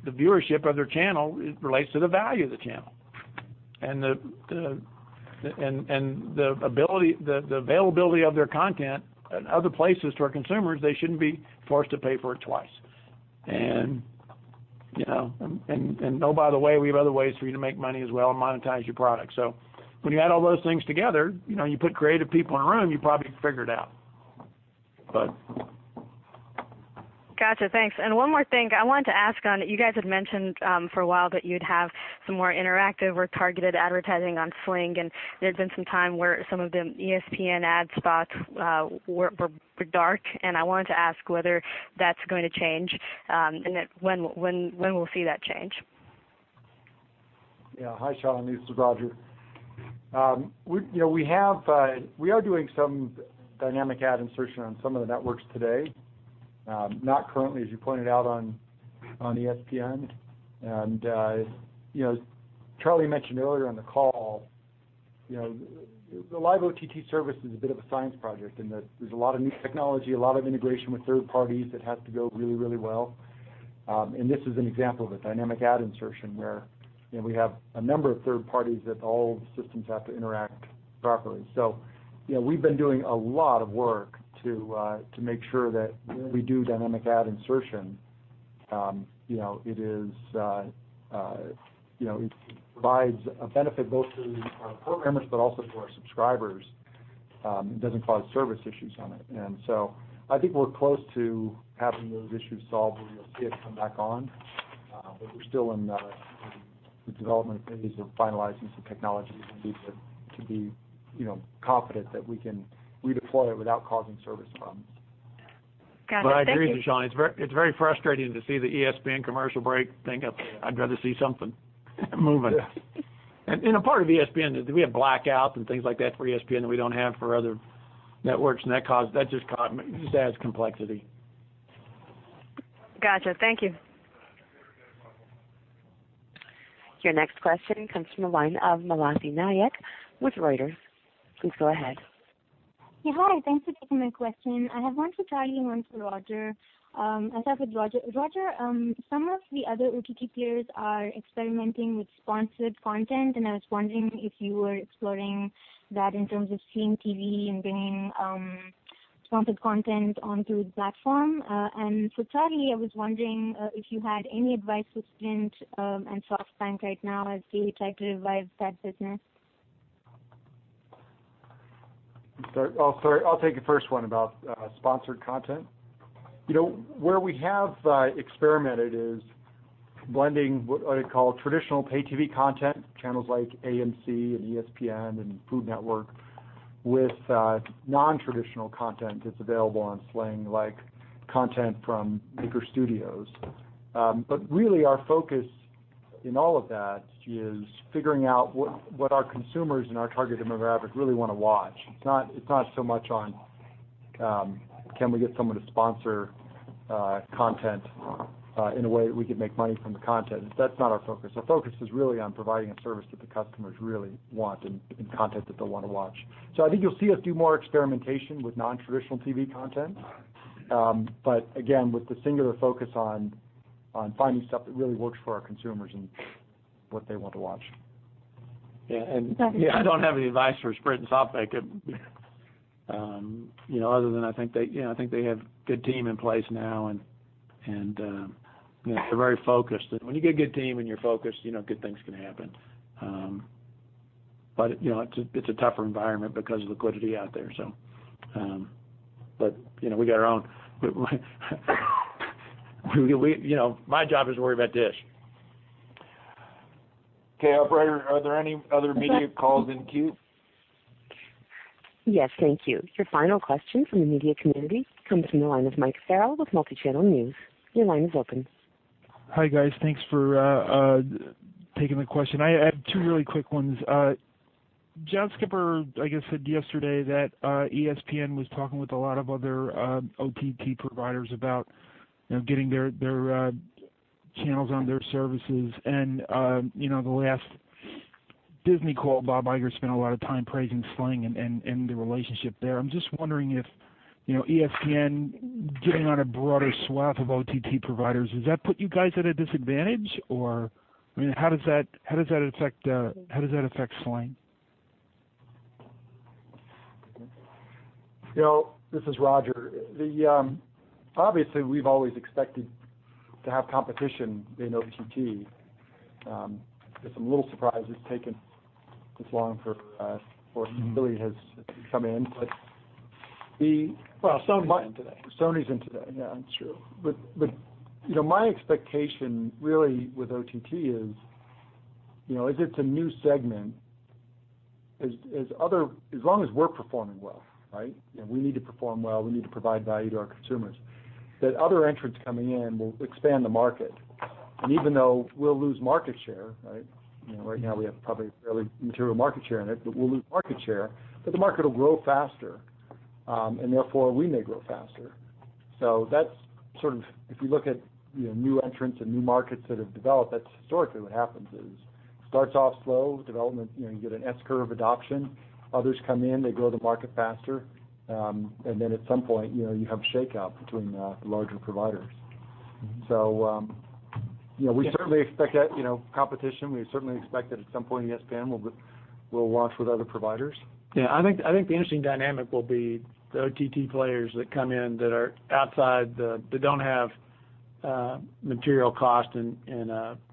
the viewership of their channel relates to the value of the channel. The, and the ability, the availability of their content in other places to our consumers, they shouldn't be forced to pay for it twice. You know, and, and oh, by the way, we have other ways for you to make money as well and monetize your product. When you add all those things together, you know, you put creative people in a room, you probably can figure it out. Gotcha. Thanks. One more thing. I wanted to ask on, you guys had mentioned for a while that you'd have some more interactive or targeted advertising on Sling, and there's been some time where some of the ESPN ad spots were dark, and I wanted to ask whether that's going to change, and when we'll see that change. Yeah. Hi, Shalini. This is Roger. We, you know, we are doing some dynamic ad insertion on some of the networks today. Not currently, as you pointed out, on ESPN. You know, as Charlie mentioned earlier on the call, you know, the live OTT service is a bit of a science project in that there's a lot of new technology, a lot of integration with third parties that has to go really, really well. This is an example of a dynamic ad insertion where, you know, we have a number of third parties that all of the systems have to interact properly. You know, we've been doing a lot of work to make sure that when we do dynamic ad insertion, you know, it is, you know, it provides a benefit both to our programmers but also to our subscribers, and doesn't cause service issues on it. I think we're close to having those issues solved, and you'll see it come back on. We're still in the development phase of finalizing some technologies we need to be, you know, confident that we can redeploy it without causing service problems. Got it. Thank you. I agree with you, Sean. It's very frustrating to see the ESPN commercial break thing. Yeah. I'd rather see something moving. Yeah. A part of ESPN is we have blackouts and things like that for ESPN that we don't have for other networks, that just adds complexity. Gotcha. Thank you. Your next question comes from the line of Malathi Nayak with Reuters. Please go ahead. Yeah. Hi. Thanks for taking my question. I have one for Charlie and one for Roger. I'll start with Roger. Roger, some of the other OTT players are experimenting with sponsored content, and I was wondering if you were exploring that in terms of Sling TV and bringing sponsored content onto the platform. For Charlie, I was wondering if you had any advice for Sprint and SoftBank right now as they try to revive that business. I'm sorry. I'll start. I'll take the first one about sponsored content. You know, where we have experimented is blending what I call traditional pay TV content, channels like AMC and ESPN and Food Network, with non-traditional content that's available on Sling, like content from bigger studios. Really our focus in all of that is figuring out what our consumers and our target demographic really wanna watch. It's not so much on, can we get someone to sponsor content in a way that we can make money from the content. That's not our focus. Our focus is really on providing a service that the customers really want and content that they'll wanna watch. I think you'll see us do more experimentation with non-traditional TV content. Again, with the singular focus on finding stuff that really works for our consumers and what they want to watch. Yeah. Got it. Yeah, I don't have any advice for Sprint and SoftBank. You know, other than I think they, you know, I think they have a good team in place now and, you know, they're very focused. When you get a good team and you're focused, you know, good things can happen. You know, it's a tougher environment because of liquidity out there. You know, we got our own You know, we You know, my job is to worry about DISH. Okay. Operator, are there any other media calls in queue? Yes. Thank you. Your final question from the media community comes from the line of Mike Farrell with Multichannel News. Your line is open. Hi, guys. Thanks for taking the question. I have two really quick ones. John Skipper, I guess, said yesterday that ESPN was talking with a lot of other OTT providers about, you know, getting their channels on their services. You know, the last Disney call, Bob Iger spent a lot of time praising Sling and the relationship there. I'm just wondering if, you know, ESPN getting on a broader swath of OTT providers, does that put you guys at a disadvantage or, I mean, how does that affect Sling? You know, this is Roger. Obviously, we've always expected to have competition in OTT. It's a little surprise it's taken this long for us, or it really has to come in. Well, Sony's in today. Sony's in today. Yeah, true. You know, my expectation really with OTT is, you know, as it's a new segment, as long as we're performing well, right? You know, we need to perform well. We need to provide value to our consumers. Other entrants coming in will expand the market. Even though we'll lose market share, right? You know, right now we have probably fairly material market share in it, but we'll lose market share, but the market will grow faster, and therefore we may grow faster. That's sort of if you look at, you know, new entrants and new markets that have developed, that's historically what happens is, starts off slow development. You know, you get an S curve adoption. Others come in, they grow the market faster. At some point, you know, you have a shakeout between the larger providers. You know, we certainly expect that, you know, competition. We certainly expect that at some point ESPN will launch with other providers. Yeah. I think the interesting dynamic will be the OTT players that come in that are outside that don't have material cost and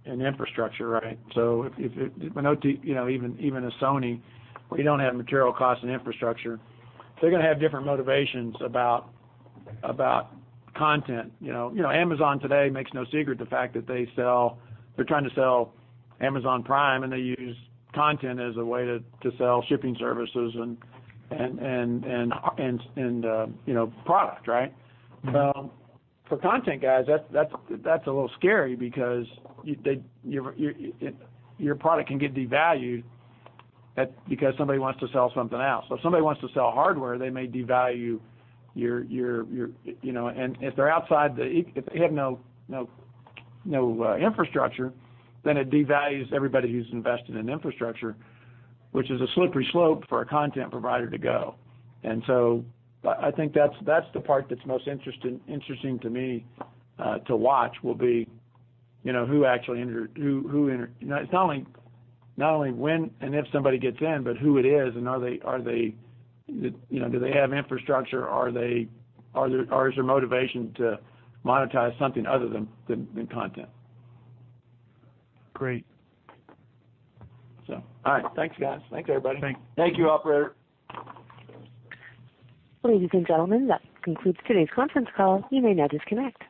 infrastructure, right? You know, even a Sony, we don't have material cost and infrastructure. They're gonna have different motivations about content. You know, Amazon today makes no secret the fact that they're trying to sell Amazon Prime, and they use content as a way to sell shipping services and, you know, product, right? For content guys, that's a little scary because your product can get devalued because somebody wants to sell something else. If somebody wants to sell hardware, they may devalue your, you know. If they're outside the, if they have no infrastructure, then it devalues everybody who's invested in infrastructure, which is a slippery slope for a content provider to go. I think that's the part that's most interesting to me, to watch, will be, you know, who actually enter. You know, it's not only when and if somebody gets in, but who it is and are they, you know, do they have infrastructure? Or is their motivation to monetize something other than content? Great. All right. Thanks, guys. Thanks, everybody. Thanks. Thank you, operator. Ladies and gentlemen, that concludes today's conference call. You may now disconnect.